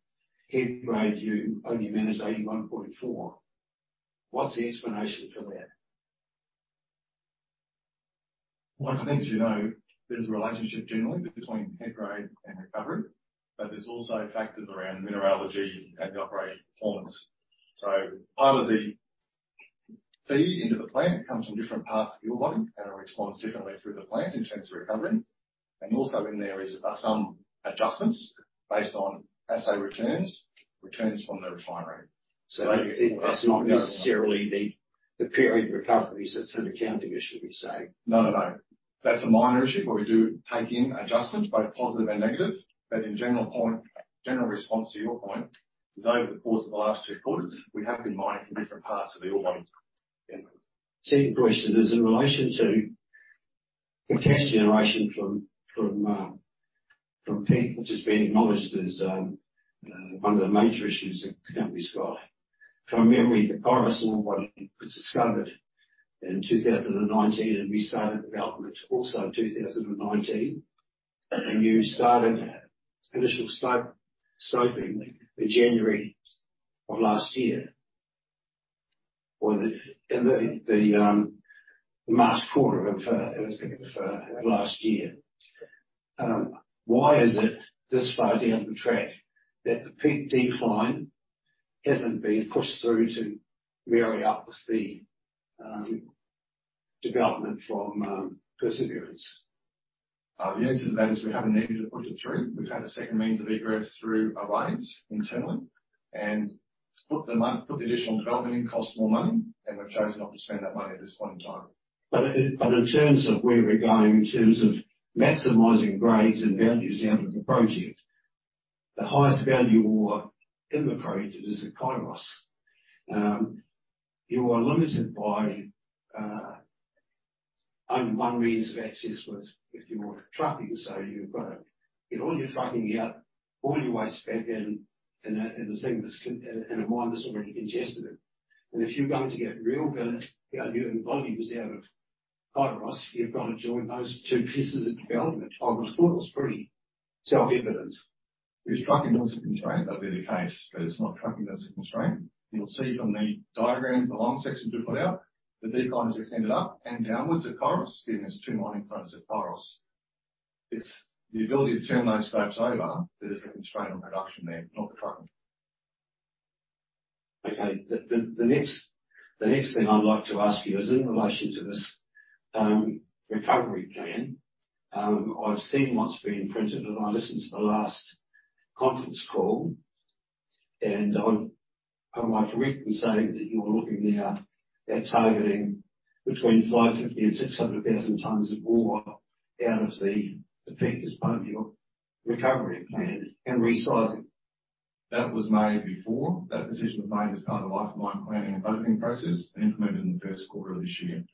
head grade, you only managed 81.4%. What's the explanation for that? I think, as you know, there's a relationship generally between head grade and recovery, but there's also factors around mineralogy and operating performance. Part of the feed into the plant comes from different parts of the ore body and it responds differently through the plant in terms of recovery. Also in there is some adjustments based on assay returns from the refinery. That's not necessarily the period recoveries. That's an accounting issue, we say. No, no. That's a minor issue. We do take in adjustments, both positive and negative. In general response to your point is, over the course of the last two quarters, we have been mining from different parts of the ore body. Yeah. Second question is in relation to the cash generation from Peak, which has been acknowledged as one of the major issues the company's got. From memory, the Kairos ore body was discovered in 2019. We started development also in 2019. You started initial slope, sloping in January of last year, or in the March quarter of last year. Why is it this far down the track that the Peak decline hasn't been pushed through to marry up with the development from Perseverance? The answer to that is we haven't needed to push it through. We've had a second means of egress through Alliance internally and put the money, put the additional development in costs more money, and we've chosen not to spend that money at this point in time. In terms of where we're going in terms of maximizing grades and values out of the project, the highest value ore in the project is at Kairos. You are limited by only one means of access with your trucking. You've got to get all your trucking out, all your waste back in a mine that's already congested. If you're going to get real value and volumes out of Kairos, you've got to join those two pieces of development. I just thought it was pretty self-evident. If trucking was a constraint, that'd be the case, but it's not trucking that's a constraint. You'll see from the diagrams, the long sections we put out, the decline is extended up and downwards at Kairos. It has two mining fronts at Kairos. It's the ability to turn those slopes over that is the constraint on production there, not the trucking. Okay. The next thing I'd like to ask you is in relation to this recovery plan. I've seen what's been printed, and I listened to the last conference call. Am I correct in saying that you're looking now at targeting between 550 and 600,000 tonnes of ore out of the Peak as part of your recovery plan and resizing? That was made before. That decision was made as part of life mine planning and budgeting process, implemented in the first quarter of this year.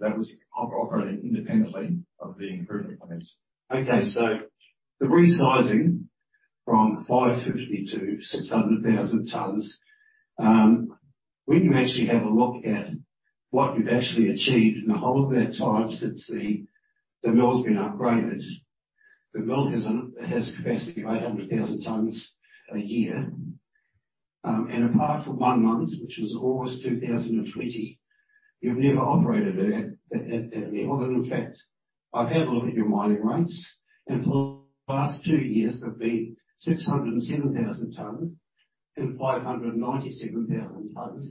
That was operating independently of the improvement plans. Okay. The resizing from 550 to 600,000 tonnes, when you actually have a look at what you've actually achieved in the whole of that time since the mill's been upgraded, the mill has capacity of 800,000 tonnes a year. Apart from 1 month, which was August 2020. You've never operated at any other than fact. I've had a look at your mining rates, for the last 2 years, they've been 607,000 tonnes and 597,000 tonnes.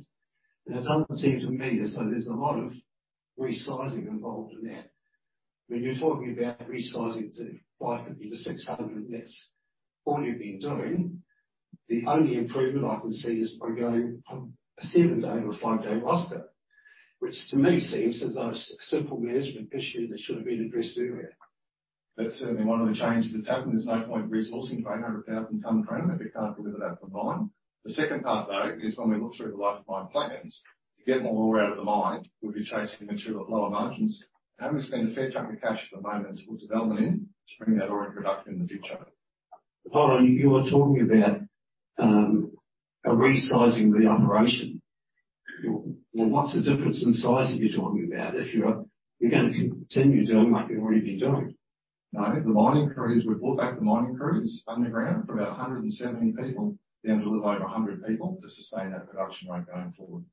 It doesn't seem to me as though there's a lot of resizing involved in that. When you're talking about resizing to 500 to 600, that's all you've been doing. The only improvement I can see is by going from a 7-day to a 5-day roster. Which to me seems as though a simple management issue that should have been addressed earlier. That's certainly one of the changes that's happened. There's no point resourcing for 800,000 tonnes per annum if you can't deliver that from mine. The second part, though, is when we look through the life of mine plans. To get more ore out of the mine, we'd be chasing material at lower margins. We spend a fair chunk of cash at the moment for development in to bring that ore in production in the future. Hold on. You are talking about, a resizing the operation. Well, what's the difference in size are you're talking about if you're gonna continue doing what you've already been doing? No. We brought back the mining crews underground from about 170 people down to a little over 100 people to sustain that production rate going forward.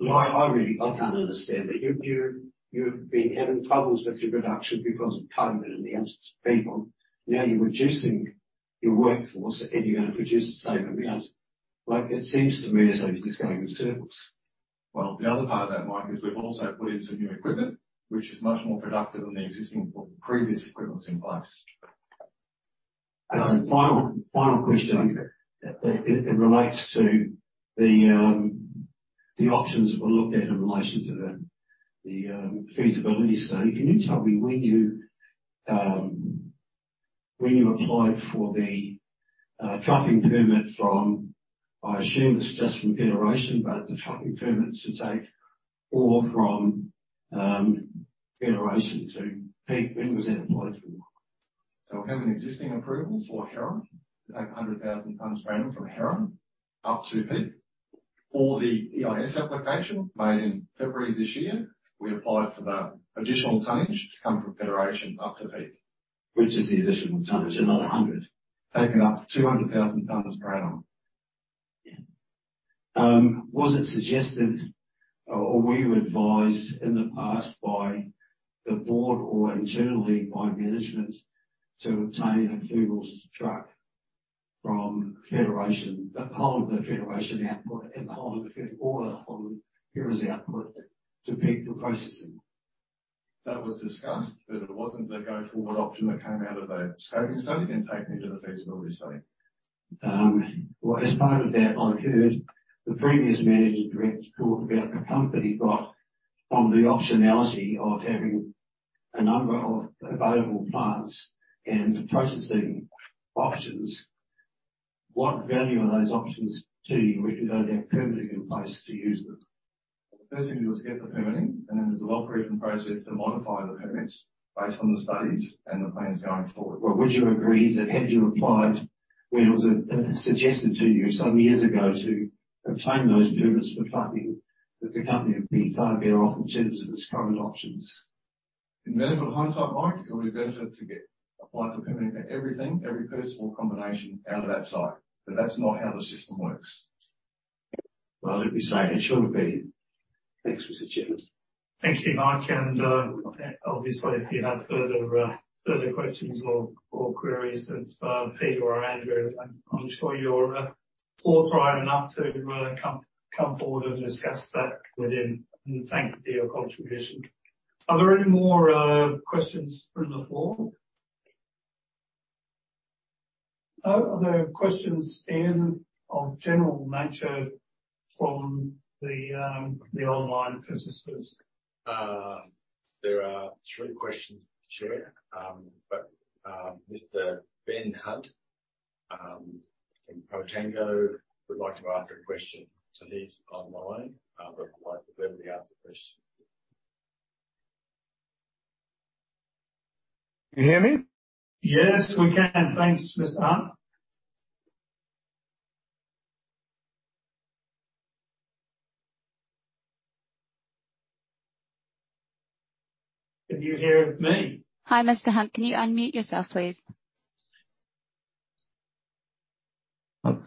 Well, I really can't understand that. You've been having troubles with your production because of COVID and the absence of people. Now you're reducing your workforce, and you're gonna produce the same amount. Like, it seems to me as though you're just going in circles. Well, the other part of that, Mike, is we've also put in some new equipment which is much more productive than the existing or previous equipment in place. Final question. It relates to the options that were looked at in relation to the feasibility study. Can you tell me when you applied for the trucking permit I assume it's just from Federation, but the trucking permit to take ore from Federation to Peak. When was that applied for? We have an existing approval for Hera to take 100,000 tonnes per annum from Hera up to Peak. For the EIS application made in February this year, we applied for the additional tonnage to come from Federation up to Peak. Which is the additional tonnage? Another 100. Taken up to 200,000 tonnes per annum. Yeah. Was it suggested or were you advised in the past by the board or internally by management to obtain a haul truck from Federation, a part of the Federation output and part of the ore from Hera's output to Peak for processing? That was discussed, but it wasn't the go-forward option that came out of the scoping study and taken into the feasibility study. As part of that, I've heard the previous managing director talk about the comfort he got from the optionality of having a number of available plants and processing options. What value are those options to you if you don't have permitting in place to use them? First thing to do is get the permitting, and then there's a well-proven process to modify the permits based on the studies and the plans going forward. Would you agree that had you applied when it was suggested to you some years ago to obtain those permits for trucking, that the company would be far better off in terms of its current options? In the benefit of hindsight, Mike, it would have benefited to apply for permitting for everything, every possible combination out of that site. That's not how the system works. Well, it was saying it should have been. Thanks, Mr. Chairman. Thank you, Mike. Obviously, if you have further questions or queries of Pete or Andrew, I'm sure you're forthright enough to come forward and discuss that with him. Thank you for your contribution. Are there any more questions from the floor? No other questions of general nature from the online participants? There are three questions, Chair. Mr. Ben Hunt, from Portenders would like to ask a question. He's online, but I'd like to verbally ask the question. Can you hear me? Yes, we can. Thanks, Mr. Hunt. Can you hear me? Hi, Mr. Hunt. Can you unmute yourself, please?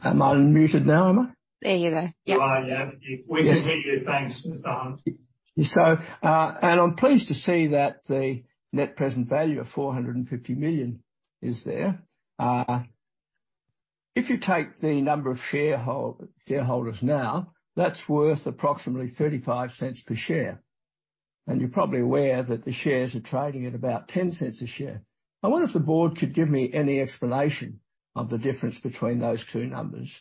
Am I unmuted now, am I? There you go. Yep. You are, yeah. We can hear you. Thanks, Mr. Hunt. I'm pleased to see that the net present value of 450 million is there. If you take the number of shareholders now, that's worth approximately 0.35 per share. You're probably aware that the shares are trading at about 0.10 a share. I wonder if the board could give me any explanation of the difference between those two numbers.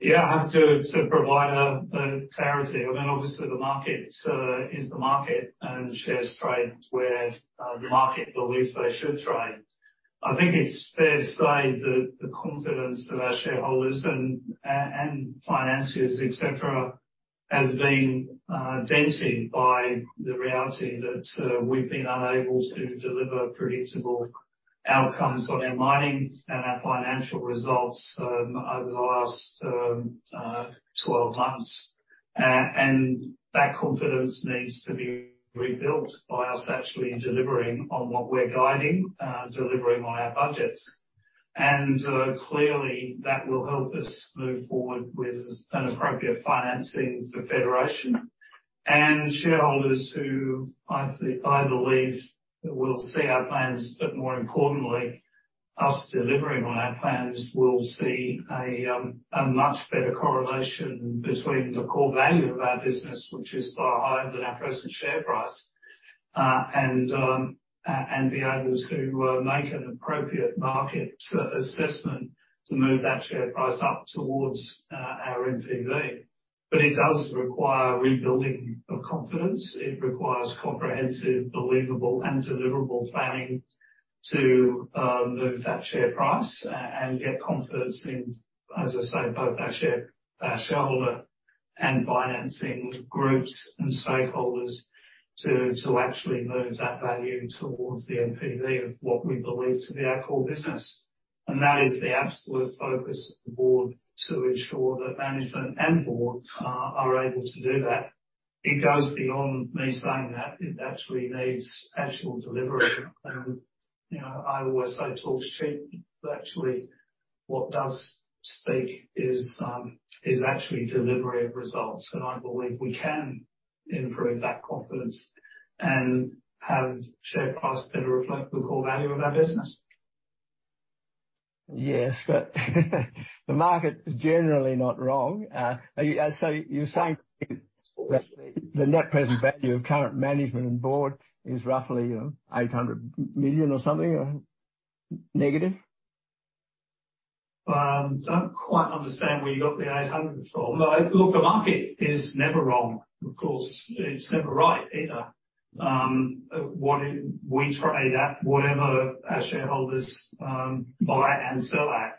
Yeah, I have to provide a clarity. I mean, obviously the market is the market and shares trade where the market believes they should trade. I think it's fair to say that the confidence of our shareholders and financiers, et cetera, has been dented by the reality that we've been unable to deliver predictable outcomes on our mining and our financial results over the last 12 months. That confidence needs to be rebuilt by us actually delivering on what we're guiding, delivering on our budgets. Clearly that will help us move forward with an appropriate financing for Federation and shareholders who I believe will see our plans, but more importantly, us delivering on our plans will see a much better correlation between the core value of our business, which is far higher than our present share price. Be able to make an appropriate market assessment to move that share price up towards our NPV. It does require rebuilding of confidence. It requires comprehensive, believable, and deliverable planning to move that share price and get confidence in, as I say, both our shareholder and financing groups and stakeholders to actually move that value towards the NPV of what we believe to be our core business. That is the absolute focus of the board to ensure that management and board are able to do that. It goes beyond me saying that. It actually needs actual delivery. You know, I always say talk's cheap, but actually what does speak is actually delivery of results. I believe we can improve that confidence and have share price better reflect the core value of our business. Yes, the market is generally not wrong. You're saying that the net present value of current management and board is roughly 800 million or something, negative? Don't quite understand where you got the 800 from. Look, the market is never wrong. Of course, it's never right either. We trade at whatever our shareholders buy and sell at.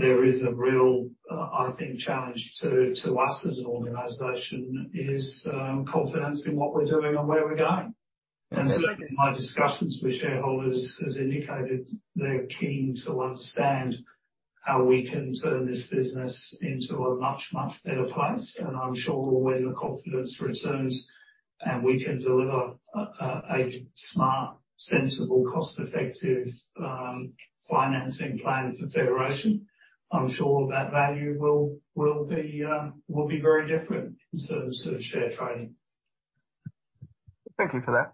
There is a real, I think, challenge to us as an organization is confidence in what we're doing and where we're going. Certainly my discussions with shareholders has indicated they're keen to understand how we can turn this business into a much better place. I'm sure when the confidence returns and we can deliver a smart, sensible, cost-effective financing plan for Federation, I'm sure that value will be very different in terms of share trading. Thank you for that.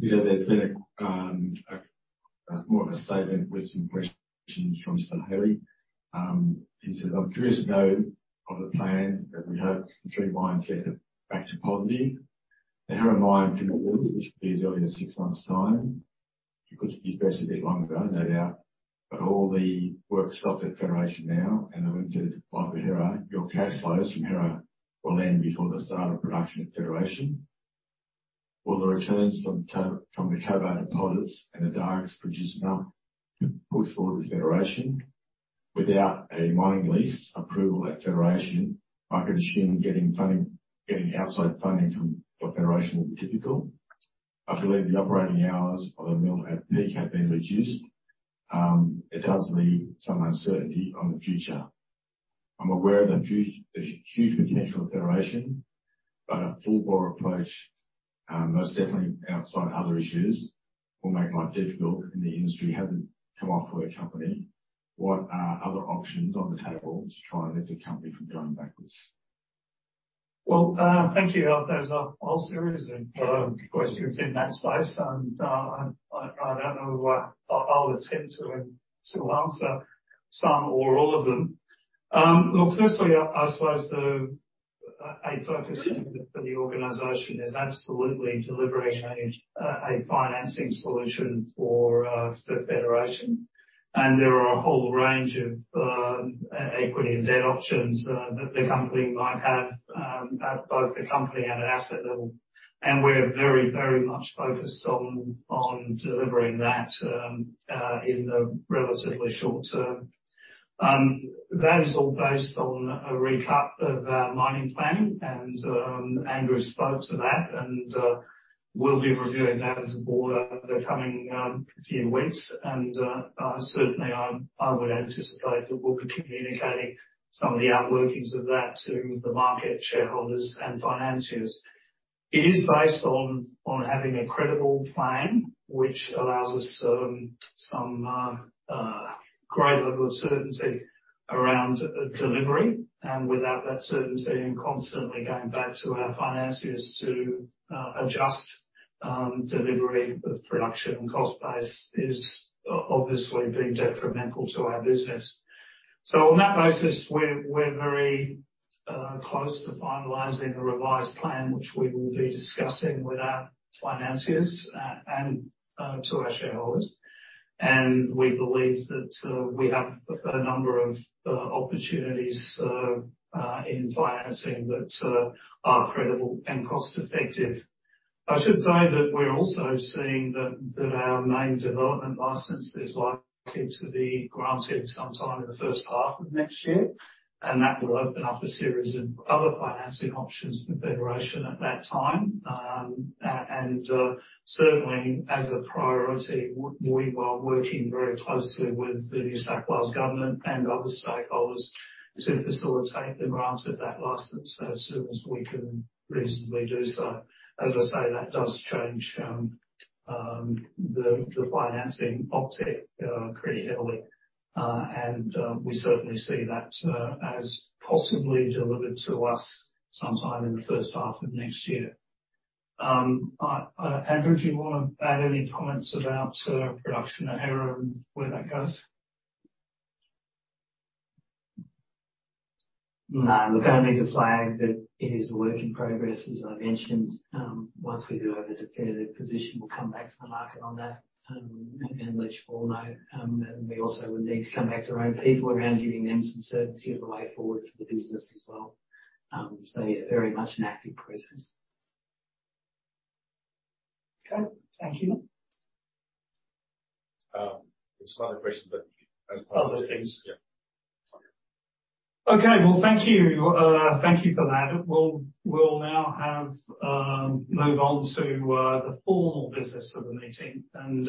You know, there's been more of a statement with some questions from Sir Harry. He says, "I'm curious to know of the plan, as we have the three mines set to back to positive. The Hera mine should be as early as six months' time. You could have been specific longer, no doubt, all the work stopped at Federation now and are linked to the life of Hera. Your cash flows from Hera will end before the start of production at Federation. Will the returns from the cobalt deposits and the direct producer not to push forward with Federation? Without a mining lease approval at Federation, I could assume getting outside funding from, for Federation will be difficult. I believe the operating hours of the mill at Peak been reduced. It tells me some uncertainty on the future. I'm aware of the huge potential of Federation, but a full bore approach, most definitely outside other issues, will make life difficult in the industry having come off for a company. What are other options on the table to try and lift the company from going backwards? Well, thank you. Those are all series of questions in that space, and I don't know, I'll attempt to answer some or all of them. Look, firstly, I suppose the focus for the organization is absolutely delivering a financing solution for Federation. There are a whole range of equity and debt options that the company might have at both the company and asset level. We're very much focused on delivering that in the relatively short term. That is all based on a recap of our mining planning, and Andrew spoke to that, and we'll be reviewing that as a board over the coming few weeks. Certainly I would anticipate that we'll be communicating some of the outworkings of that to the market, shareholders and financiers. It is based on having a credible plan, which allows us some great level of certainty around delivery. Without that certainty and constantly going back to our financiers to adjust delivery with production cost base is obviously been detrimental to our business. On that basis, we're very close to finalizing a revised plan, which we will be discussing with our financiers and to our shareholders. We believe that we have a number of opportunities in financing that are credible and cost effective. I should say that we're also seeing that our main development license is likely to be granted sometime in the first half of next year. That will open up a series of other financing options for Federation at that time. Certainly as a priority, we are working very closely with the New South Wales government and other stakeholders to facilitate the grant of that license as soon as we can reasonably do so. As I say, that does change the financing op-tech pretty heavily. We certainly see that as possibly delivered to us sometime in the first half of next year. I, Andrew, do you wanna add any comments about production at Hera and where that goes? No. Look, I need to flag that it is a work in progress, as I mentioned. Once we do have a definitive position, we'll come back to the market on that, and let you all know. We also would need to come back to our own people around giving them some certainty of the way forward for the business as well. So very much an active process. Okay. Thank you. There's no other questions, but as part of the things. Yeah. Okay. Well, thank you. Thank you for that. We'll now move on to the formal business of the meeting and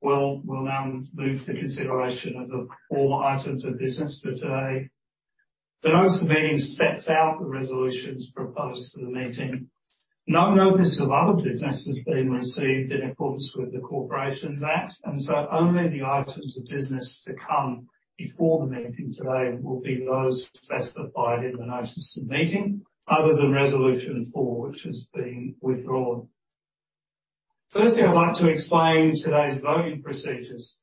we'll now move to the consideration of the four items of business for today. The notice of the meeting sets out the resolutions proposed for the meeting. No notice of other business has been received in accordance with the Corporations Act. Only the items of business to come before the meeting today will be those specified in the notice of the meeting, other than resolution four, which has been withdrawn. Firstly, I'd like to explain today's voting procedures.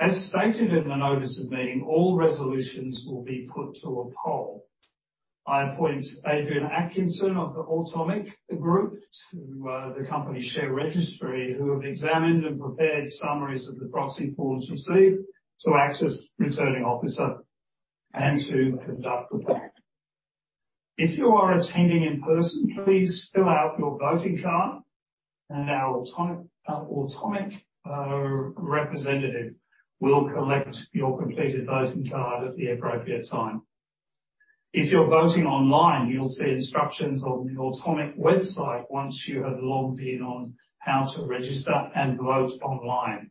As stated in the notice of meeting, all resolutions will be put to a poll. I appoint Adrian Atkinson of Automic Group, who are the company share registry, who have examined and prepared summaries of the proxy forms received to act as returning officer and to conduct the poll. If you are attending in person, please fill out your voting card and our Automic representative will collect your completed voting card at the appropriate time. If you're voting online, you'll see instructions on the Automic website once you have logged in on how to register and vote online.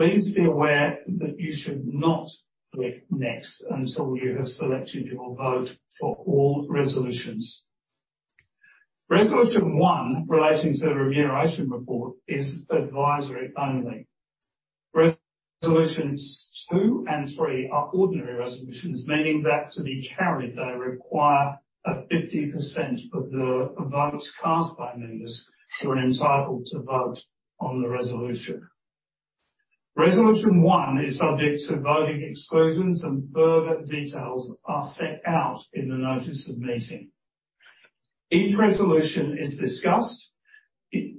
Please be aware that you should not click next until you have selected your vote for all resolutions. Resolution 1 relating to the remuneration report is advisory only. Resolutions 2 and 3 are ordinary resolutions, meaning that to be carried, they require a 50% of the votes cast by members who are entitled to vote on the resolution. Resolution 1 is subject to voting exclusions and further details are set out in the notice of meeting. Each resolution is discussed. It,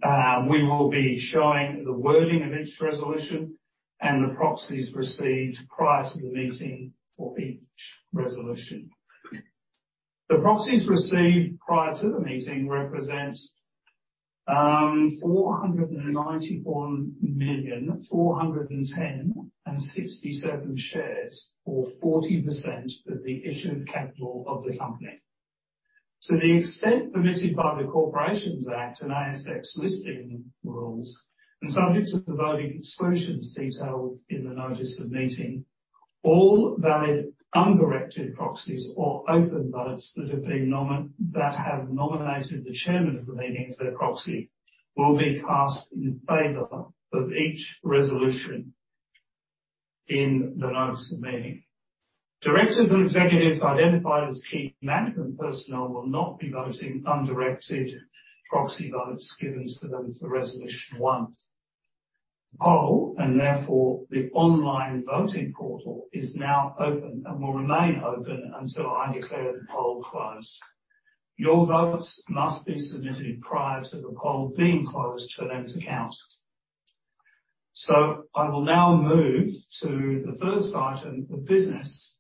we will be showing the wording of each resolution and the proxies received prior to the meeting for each resolution. The proxies received prior to the meeting represents, 491,410,067 shares, or 40% of the issued capital of the company. To the extent permitted by the Corporations Act and ASX Listing Rules, and subject to the voting exclusions detailed in the notice of meeting, all valid undirected proxies or open votes that have nominated the Chairman of the Meeting as their proxy will be cast in favor of each resolution in the notice of meeting. Directors and executives identified as key management personnel will not be voting undirected proxy votes given to them for resolution one. The poll, and therefore the online voting portal, is now open and will remain open until I declare the poll closed. Your votes must be submitted prior to the poll being closed for them to count. I will now move to the first item of business,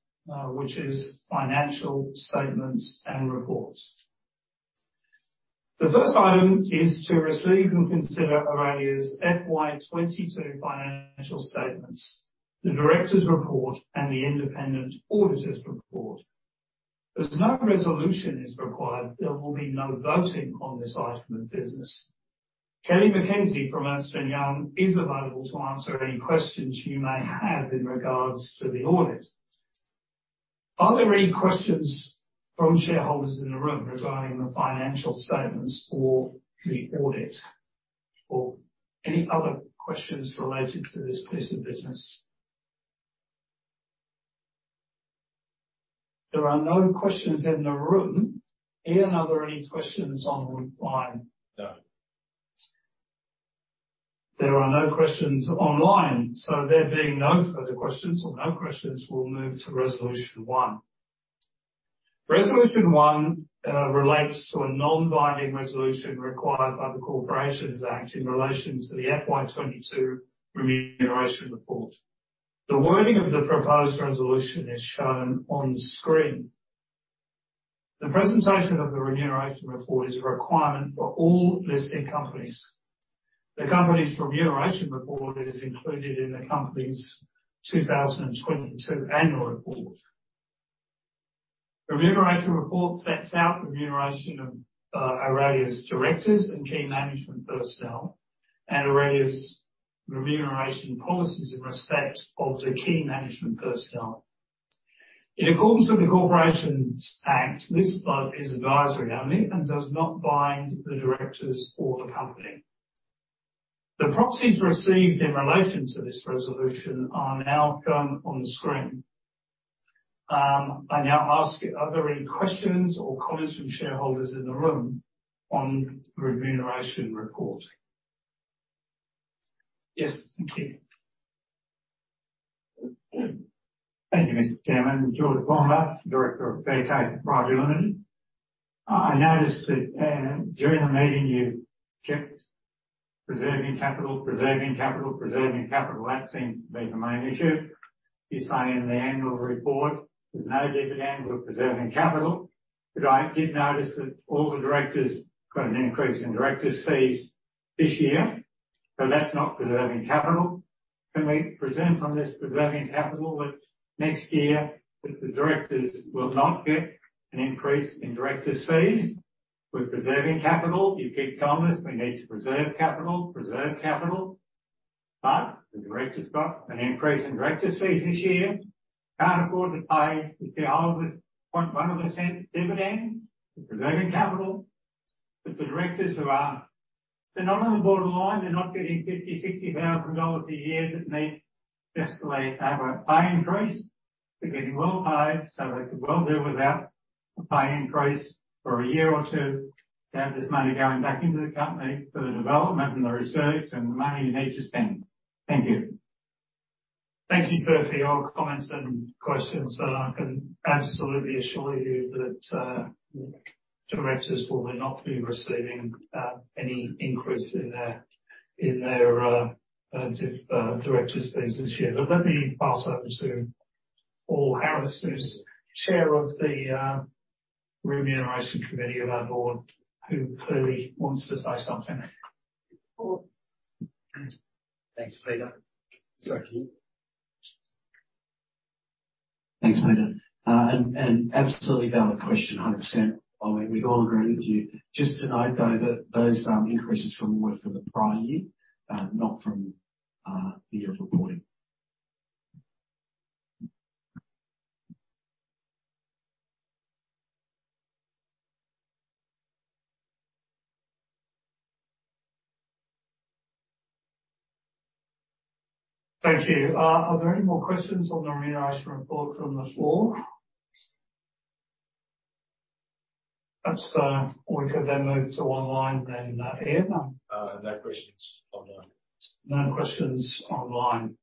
which is financial statements and reports. The first item is to receive and consider Aurelia's FY22 financial statements, the director's report, and the independent auditor's report. As no resolution is required, there will be no voting on this item of business. Kellie McKenzie from Ernst & Young is available to answer any questions you may have in regards to the audit. Are there any questions from shareholders in the room regarding the financial statements or the audit or any other questions related to this piece of business? There are no questions in the room. Ian, are there any questions online? No. There are no questions online. There being no further questions or no questions, we'll move to Resolution 1. Resolution 1 relates to a non-binding resolution required by the Corporations Act in relation to the FY 22 Remuneration Report. The wording of the proposed resolution is shown on screen. The presentation of the Remuneration Report is a requirement for all listed companies. The company's Remuneration Report is included in the company's 2022 annual report. The Remuneration Report sets out remuneration of Aurelia's directors and key management personnel and Aurelia's remuneration policies in respect of the key management personnel. In accordance with the Corporations Act, this vote is advisory only and does not bind the directors or the company. The proxies received in relation to this resolution are now shown on the screen. I now ask, are there any questions or comments from shareholders in the room on the remuneration report? Yes, thank you. Thank you, Mr. Chairman. George Palmer, director of Canaccord Genuity. I noticed that during the meeting you kept preserving capital, preserving capital, preserving capital. That seems to be the main issue. You say in the annual report there's no dividend, we're preserving capital. I did notice that all the directors got an increase in directors' fees this year, so that's not preserving capital. Can we presume from this preserving capital that next year that the directors will not get an increase in directors' fees? We're preserving capital. You keep telling us we need to preserve capital, preserve capital, the directors got an increase in directors' fees this year. Can't afford to pay the shareholders 0.001 dividend. We're preserving capital, but the directors. They're not on the borderline. They're not getting 50,000, 60,000 dollars a year that need just to lay, have a pay increase. They're getting well paid. They could well do without a pay increase for a year or 2 to have this money going back into the company for the development and the research and the money you need to spend. Thank you. Thank you, sir, for your comments and questions. I can absolutely assure you that the directors will not be receiving any increase in their directors' fees this year. Let me pass over to Paul Harris, who's chair of the Remuneration Committee of our board, who clearly wants to say something. Thanks, Peter. Sorry. Thanks, Peter. Absolutely valid question 100%. I mean, we all agree with you. Just to note, though, that those increases were from the prior year, not from the year of reporting. Thank you. Are there any more questions on the remuneration report from the floor? If not, we could then move to online then, Ian. No questions online. No questions online.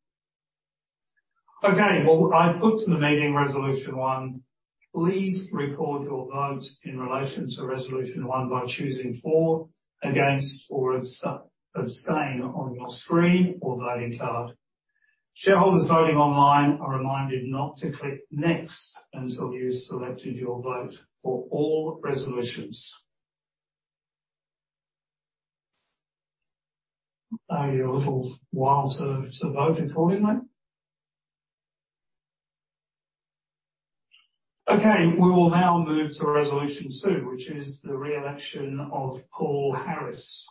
Okay. Well, I put to the meeting Resolution 1. Please record your votes in relation to Resolution 1 by choosing for, against, or abstain on your screen or voting card. Shareholders voting online are reminded not to click next until you've selected your vote for all resolutions. Are you a little while to vote accordingly? Okay. We will now move to Resolution 2, which is the re-election of Paul Harris.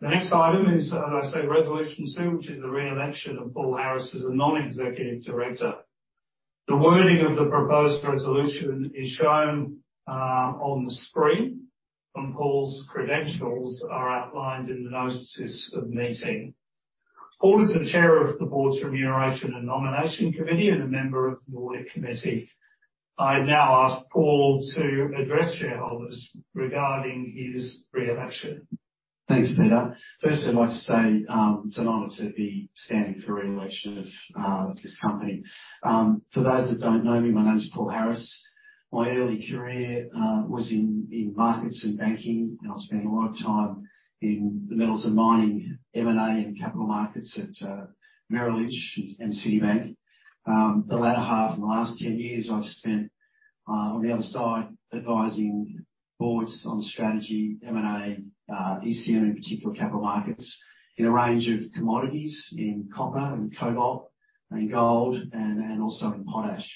The next item is, as I say, Resolution 2, which is the re-election of Paul Harris as a non-executive director. The wording of the proposed resolution is shown on the screen, and Paul's credentials are outlined in the notices of meeting. Paul is the chair of the board's Remuneration and Nomination Committee and a member of the Audit Committee. I now ask Paul to address shareholders regarding his re-election. Thanks, Peter. First, I'd like to say, it's an honor to be standing for re-election of this company. For those that don't know me, my name is Paul Harris. My early career was in markets and banking, and I spent a lot of time in the metals and mining M&A and capital markets at Merrill Lynch and Citibank. The latter half, in the last 10 years, I've spent on the other side advising boards on strategy, M&A, ECM, in particular capital markets, in a range of commodities in copper and cobalt and gold and also in potash.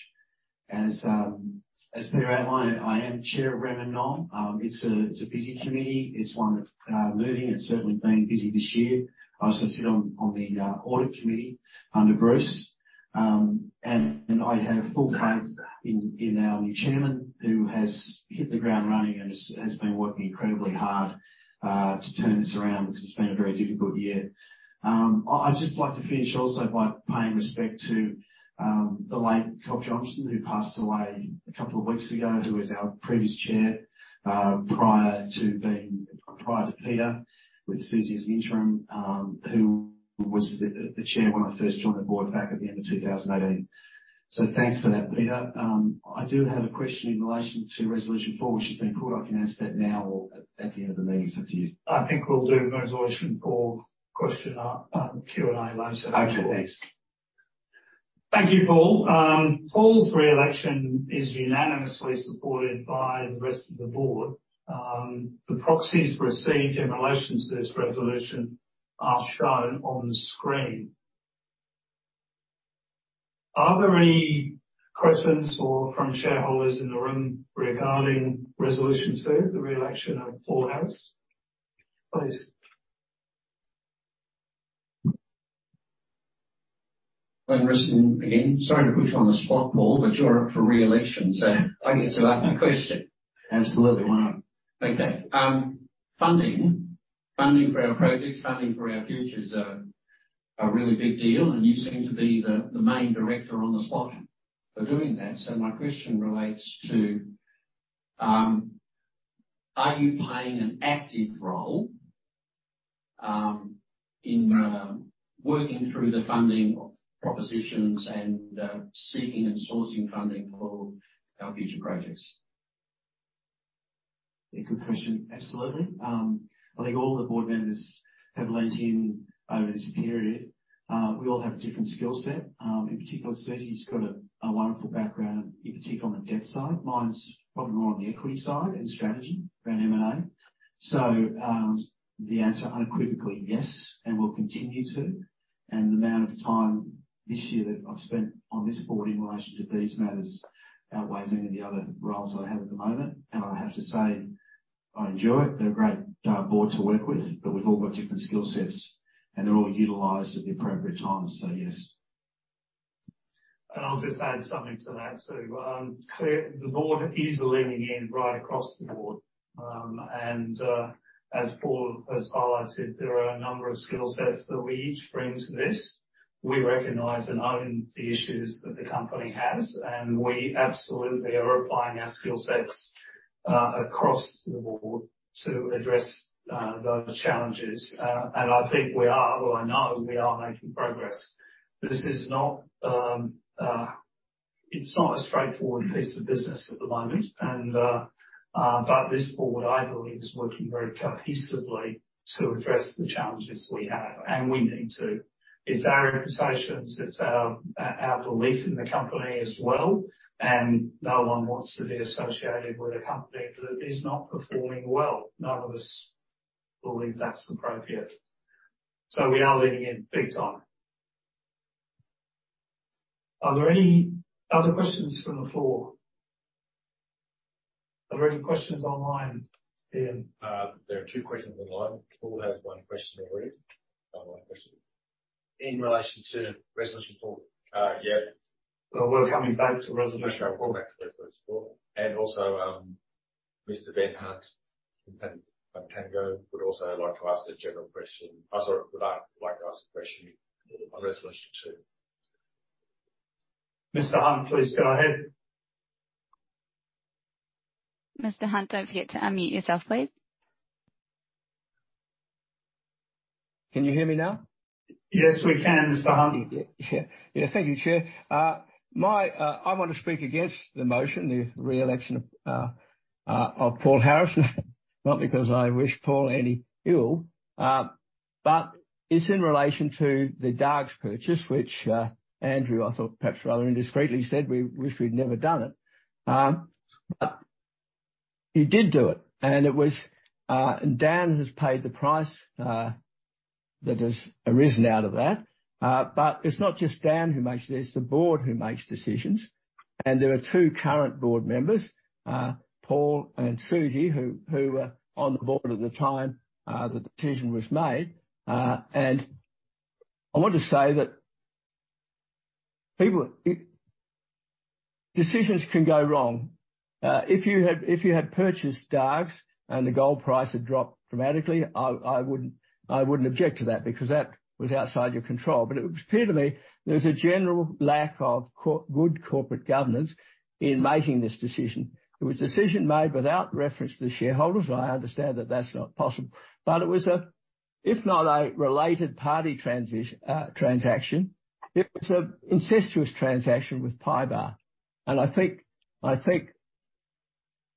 As Peter outlined, I am chair of Rem and Nom. It's a busy committee. It's one that moving and certainly been busy this year. I also sit on the audit committee under Bruce. I have full faith in our new chairman, who has hit the ground running and has been working incredibly hard to turn this around because it's been a very difficult year. I'd just like to finish also by paying respect to the late Bob Johnson, who passed away a couple of weeks ago, who was our previous chair prior to Peter, with Susie as interim, who was the chair when I first joined the board back at the end of 2018. Thanks for that, Peter. I do have a question in relation to resolution 4, which has been pulled. I can ask that now or at the end of the meeting. It's up to you. I think we'll do resolution four question on, Q&A later. Okay, thanks. Thank you, Paul. Paul's re-election is unanimously supported by the rest of the board. The proxies received in relation to this resolution are shown on the screen. Are there any questions or from shareholders in the room regarding resolution two, the re-election of Paul Harris? Please. Glen Rushton again. Sorry to put you on the spot, Paul, but you're up for re-election, so I get to ask my question. Absolutely. Why not? Funding. Funding for our projects, funding for our future is a really big deal, and you seem to be the main director on the spot for doing that. My question relates to, are you playing an active role in working through the funding of propositions and seeking and sourcing funding for our future projects? Yeah, good question. Absolutely. I think all the board members have leaned in over this period. We all have a different skill set. In particular, Susie's got a wonderful background, in particular on the debt side. Mine's probably more on the equity side and strategy around M&A. The answer unequivocally yes, and will continue to. The amount of time this year that I've spent on this board in relation to these matters outweighs any of the other roles I have at the moment. I have to say, I enjoy it. They're a great board to work with, but we've all got different skill sets, and they're all utilized at the appropriate time. Yes. I'll just add something to that too. The board is leaning in right across the board. as Paul has highlighted, there are a number of skill sets that we each bring to this. We recognize and own the issues that the company has, and we absolutely are applying our skill sets across the board to address those challenges. I think we are or I know we are making progress. This is not, it's not a straightforward piece of business at the moment. But this board, I believe, is working very cohesively to address the challenges we have, and we need to. It's our reputations, it's our belief in the company as well. No one wants to be associated with a company that is not performing well. None of us believe that's appropriate. We are leaning in big time. Are there any other questions from the floor? Are there any questions online, Ian? There are two questions online. Paul has one question already. Another one question. In relation to resolution 4? Well, we're coming back to resolution four. Coming back to resolution four. Also, Mr. Ben Hunt from Protango would also like to ask a general question. Oh, sorry. Would like to ask a question on resolution two. Mr. Hunt, please go ahead. Mr. Hunt, don't forget to unmute yourself, please. Can you hear me now? Yes, we can, Mr. Hunt. Yeah. Thank you, Chair. I want to speak against the motion, the reelection of Paul Harris. Not because I wish Paul any ill, but it's in relation to the Dargues purchase, which Andrew, I thought perhaps rather indiscreetly said, we wish we'd never done it. He did do it. It was, Dan has paid the price that has arisen out of that. It's not just Dan who makes decisions, it's the board who makes decisions. There are two current board members, Paul and Susie, who were on the board at the time, the decision was made. I want to say that people, decisions can go wrong. If you had purchased Dargues and the gold price had dropped dramatically, I wouldn't object to that because that was outside your control. It would appear to me there was a general lack of good corporate governance in making this decision. It was a decision made without reference to the shareholders. I understand that that's not possible. It was a, if not a related party transaction, it was an incestuous transaction with Trafigura. I think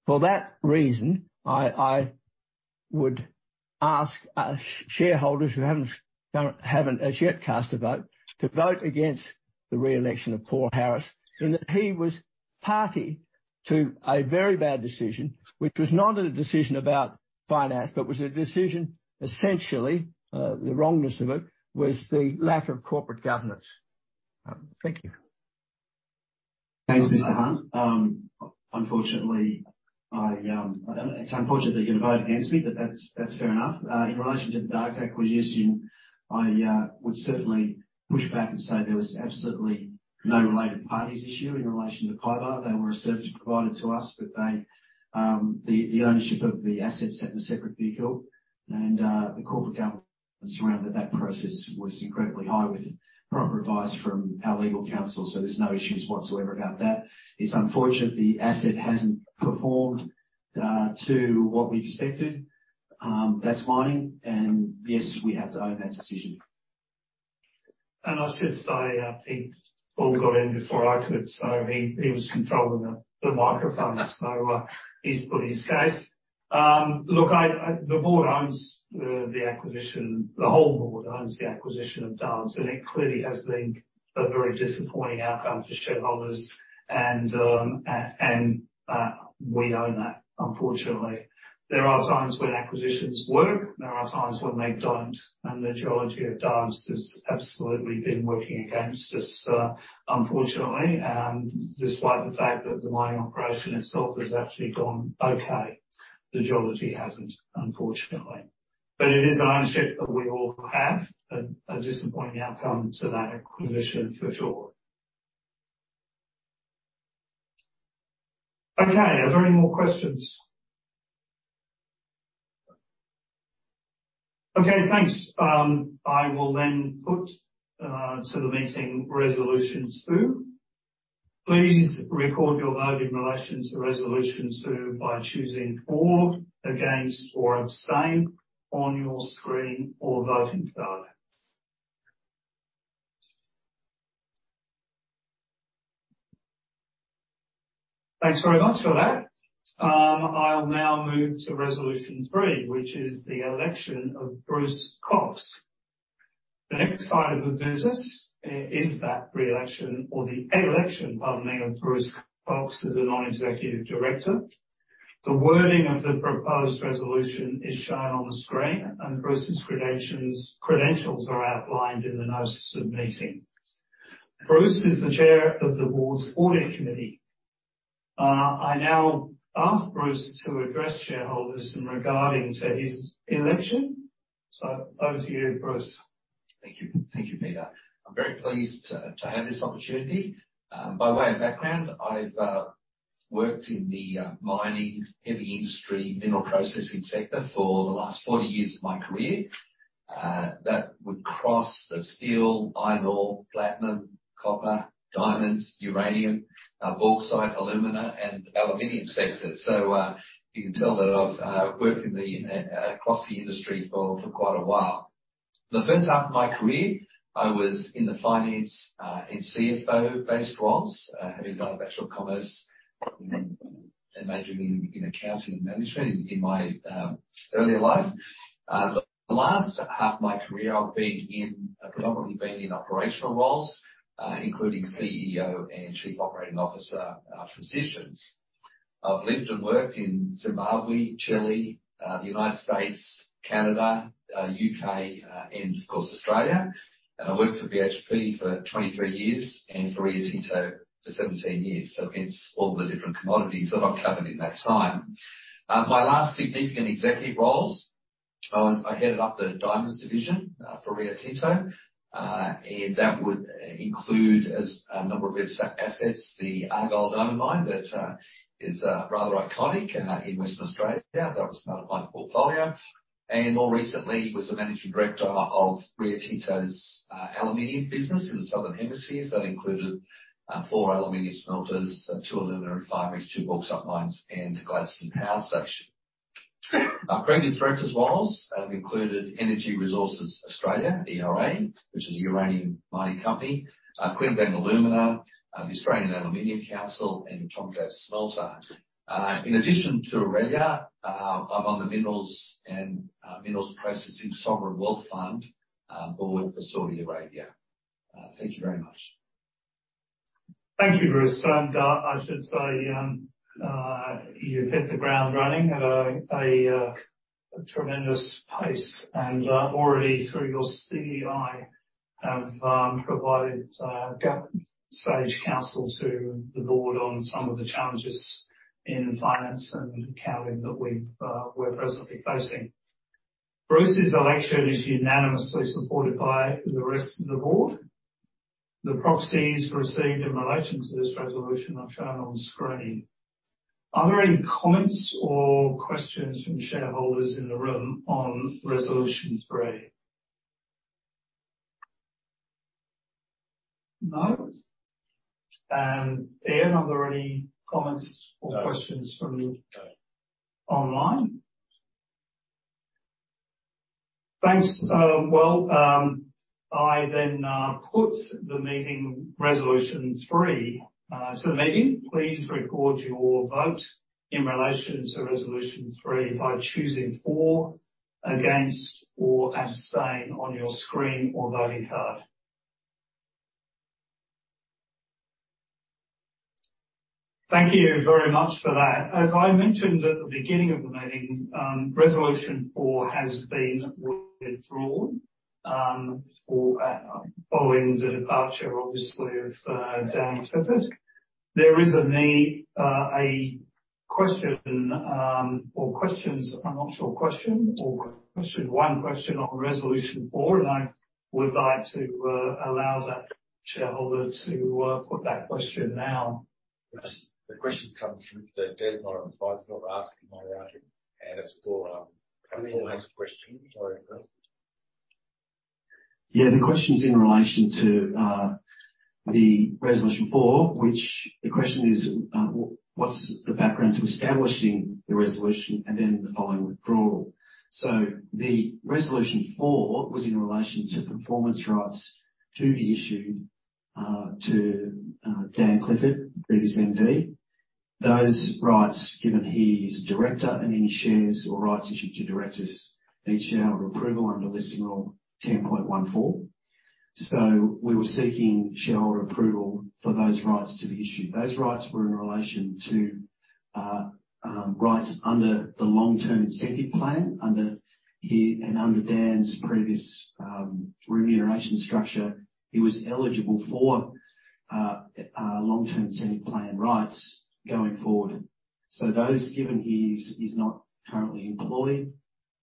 for that reason, I would ask us shareholders who haven't as yet cast a vote, to vote against the reelection of Paul Harris, in that he was party to a very bad decision, which was not a decision about finance, but was a decision, essentially, the wrongness of it was the lack of corporate governance. Thank you. Thanks, Mr. Hunt. Unfortunately, I, it's unfortunate you're gonna vote against me, but that's fair enough. In relation to the Dargues acquisition, I would certainly push back and say there was absolutely no related parties issue in relation to Trafigura. They were a service provider to us, but they, the ownership of the assets sat in a separate vehicle. The corporate governance around that process was incredibly high with proper advice from our legal counsel. There's no issues whatsoever about that. It's unfortunate the asset hasn't performed, to what we expected. That's mining. Yes, we have to own that decision. I should say, Paul got in before I could, so he was controlling the microphone. He's put his case. Look, the board owns the acquisition. The whole board owns the acquisition of Dargues, and it clearly has been a very disappointing outcome for shareholders. We own that, unfortunately. There are times when acquisitions work, there are times when they don't, and the geology of Dargues has absolutely been working against us, unfortunately. Despite the fact that the mining operation itself has actually gone okay, the geology hasn't, unfortunately. It is ownership that we all have. A disappointing outcome to that acquisition, for sure. Okay. Are there any more questions? Okay, thanks. I will then put to the meeting Resolution 2. Please record your vote in relation to Resolution 2 by choosing for, against, or abstain on your screen or voting card. Thanks very much for that. I'll now move to Resolution 3, which is the election of Bruce Cox. The next item of business is the election, pardon me, of Bruce Cox as a non-executive director. The wording of the proposed resolution is shown on the screen. Bruce's credentials are outlined in the notice of meeting. Bruce is the chair of the board's audit committee. I now ask Bruce to address shareholders in regarding to his election. Over to you, Bruce. Thank you. Thank you, Peter. I'm very pleased to have this opportunity. By way of background, I've worked in the mining, heavy industry, mineral processing sector for the last 40 years of my career. That would cross the steel, iron ore, platinum, copper, diamonds, uranium, bauxite, alumina, and aluminium sectors. You can tell that I've worked across the industry for quite a while. The first half of my career I was in the finance and CFO-based roles. Having done a Bachelor of Commerce and majored in Accounting and Management in my earlier life. The last half of my career, I've been predominantly been in operational roles, including CEO and chief operating officer positions. I've lived and worked in Zimbabwe, Chile, the United States, Canada, UK, and of course Australia. I worked for BHP for 23 years and for Rio Tinto for 17 years. Hence all the different commodities that I've covered in that time. My last significant executive roles, I headed up the diamonds division for Rio Tinto. And that would include as number of real estate assets, the Argyle diamond mine that is rather iconic in Western Australia. That was part of my portfolio. More recently was the managing director of Rio Tinto's aluminium business in the southern hemispheres. That included four aluminium smelters, two alumina refineries, two bauxite mines and Gladstone power station. My previous directors roles have included Energy Resources Australia, Hera, which is a uranium mining company, Queensland Alumina, the Australian Aluminium Council and Tomago Smelter. In addition to Aurelia, I'm on the Minerals and Minerals Processing Sovereign Wealth Fund board for Saudi Arabia. Thank you very much. Thank you, Bruce. I should say, you've hit the ground running at a tremendous pace. already through your CDI have provided sage counsel to the board on some of the challenges in finance and accounting that we're presently facing. Bruce's election is unanimously supported by the rest of the board. The proxies received in relation to this resolution are shown on screen. Are there any comments or questions from shareholders in the room on Resolution 3? No. Ian, are there any comments or questions from No. Online? Thanks. Well, I then put the meeting Resolution 3 to the meeting. Please record your vote in relation to Resolution 3 by choosing for, against, or abstain on your screen or voting card. Thank you very much for that. As I mentioned at the beginning of the meeting, Resolution 4 has been withdrawn for following the departure, obviously of Dan Clifford. There is a question, or questions. I'm not sure. Question or question. One question on Resolution 4, and I would like to allow that shareholder to put that question now. The question comes from Dan. Dan's not advised he'll ask in my outing, and it's for performance questions. Yeah. The question's in relation to the Resolution four, which the question is, what's the background to establishing the resolution and then the following withdrawal? The Resolution four was in relation to performance rights to be issued. To Dan Clifford, previous MD. Those rights, given he's a director, and any shares or rights issued to directors need shareholder approval under Listing Rule 10.14. We were seeking shareholder approval for those rights to be issued. Those rights were in relation to rights under the long-term incentive plan. Under Dan's previous remuneration structure, he was eligible for long-term incentive plan rights going forward. Those, given he's not currently employed,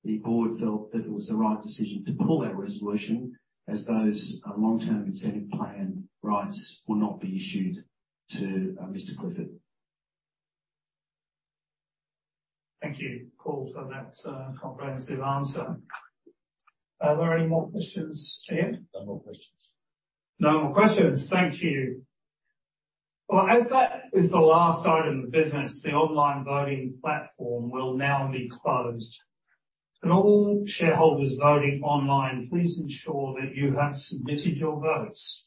the board felt that it was the right decision to pull that resolution as those long-term incentive plan rights will not be issued to Mr. Clifford. Thank you, Paul, for that comprehensive answer. Are there any more questions, Chair? No more questions. No more questions. Thank you. Well, as that is the last item of business, the online voting platform will now be closed. Can all shareholders voting online, please ensure that you have submitted your votes.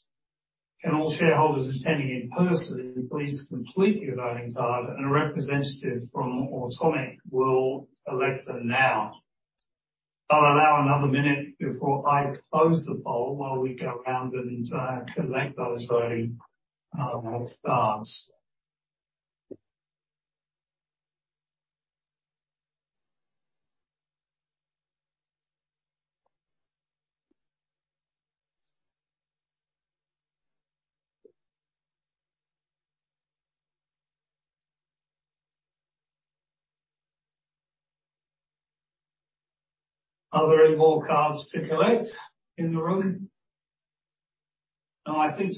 Can all shareholders attending in person, please complete your voting card and a representative from Automic will collect them now. I'll allow another minute before I close the poll while we go around and collect those voting vote cards. Are there any more cards to collect in the room? No, I think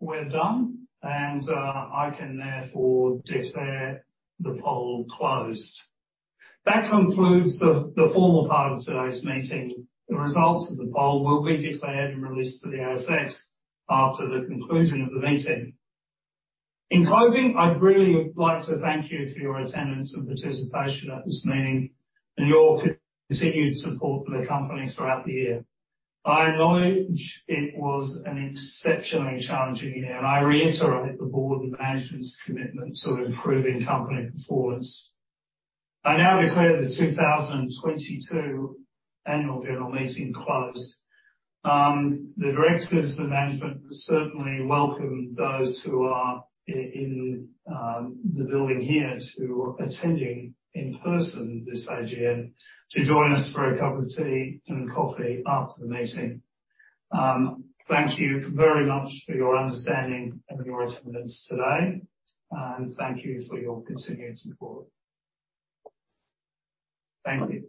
we're done. I can therefore declare the poll closed. That concludes the formal part of today's meeting. The results of the poll will be declared and released to the ASX after the conclusion of the meeting. In closing, I'd really like to thank you for your attendance and participation at this meeting, and your continued support for the company throughout the year. I acknowledge it was an exceptionally challenging year, and I reiterate the board and management's commitment to improving company performance. I now declare the 2022 annual general meeting closed. The directors, the management certainly welcome those who are in the building here to attending in person this AGM, to join us for a cup of tea and coffee after the meeting. Thank you very much for your understanding and your attendance today. Thank you for your continued support. Thank you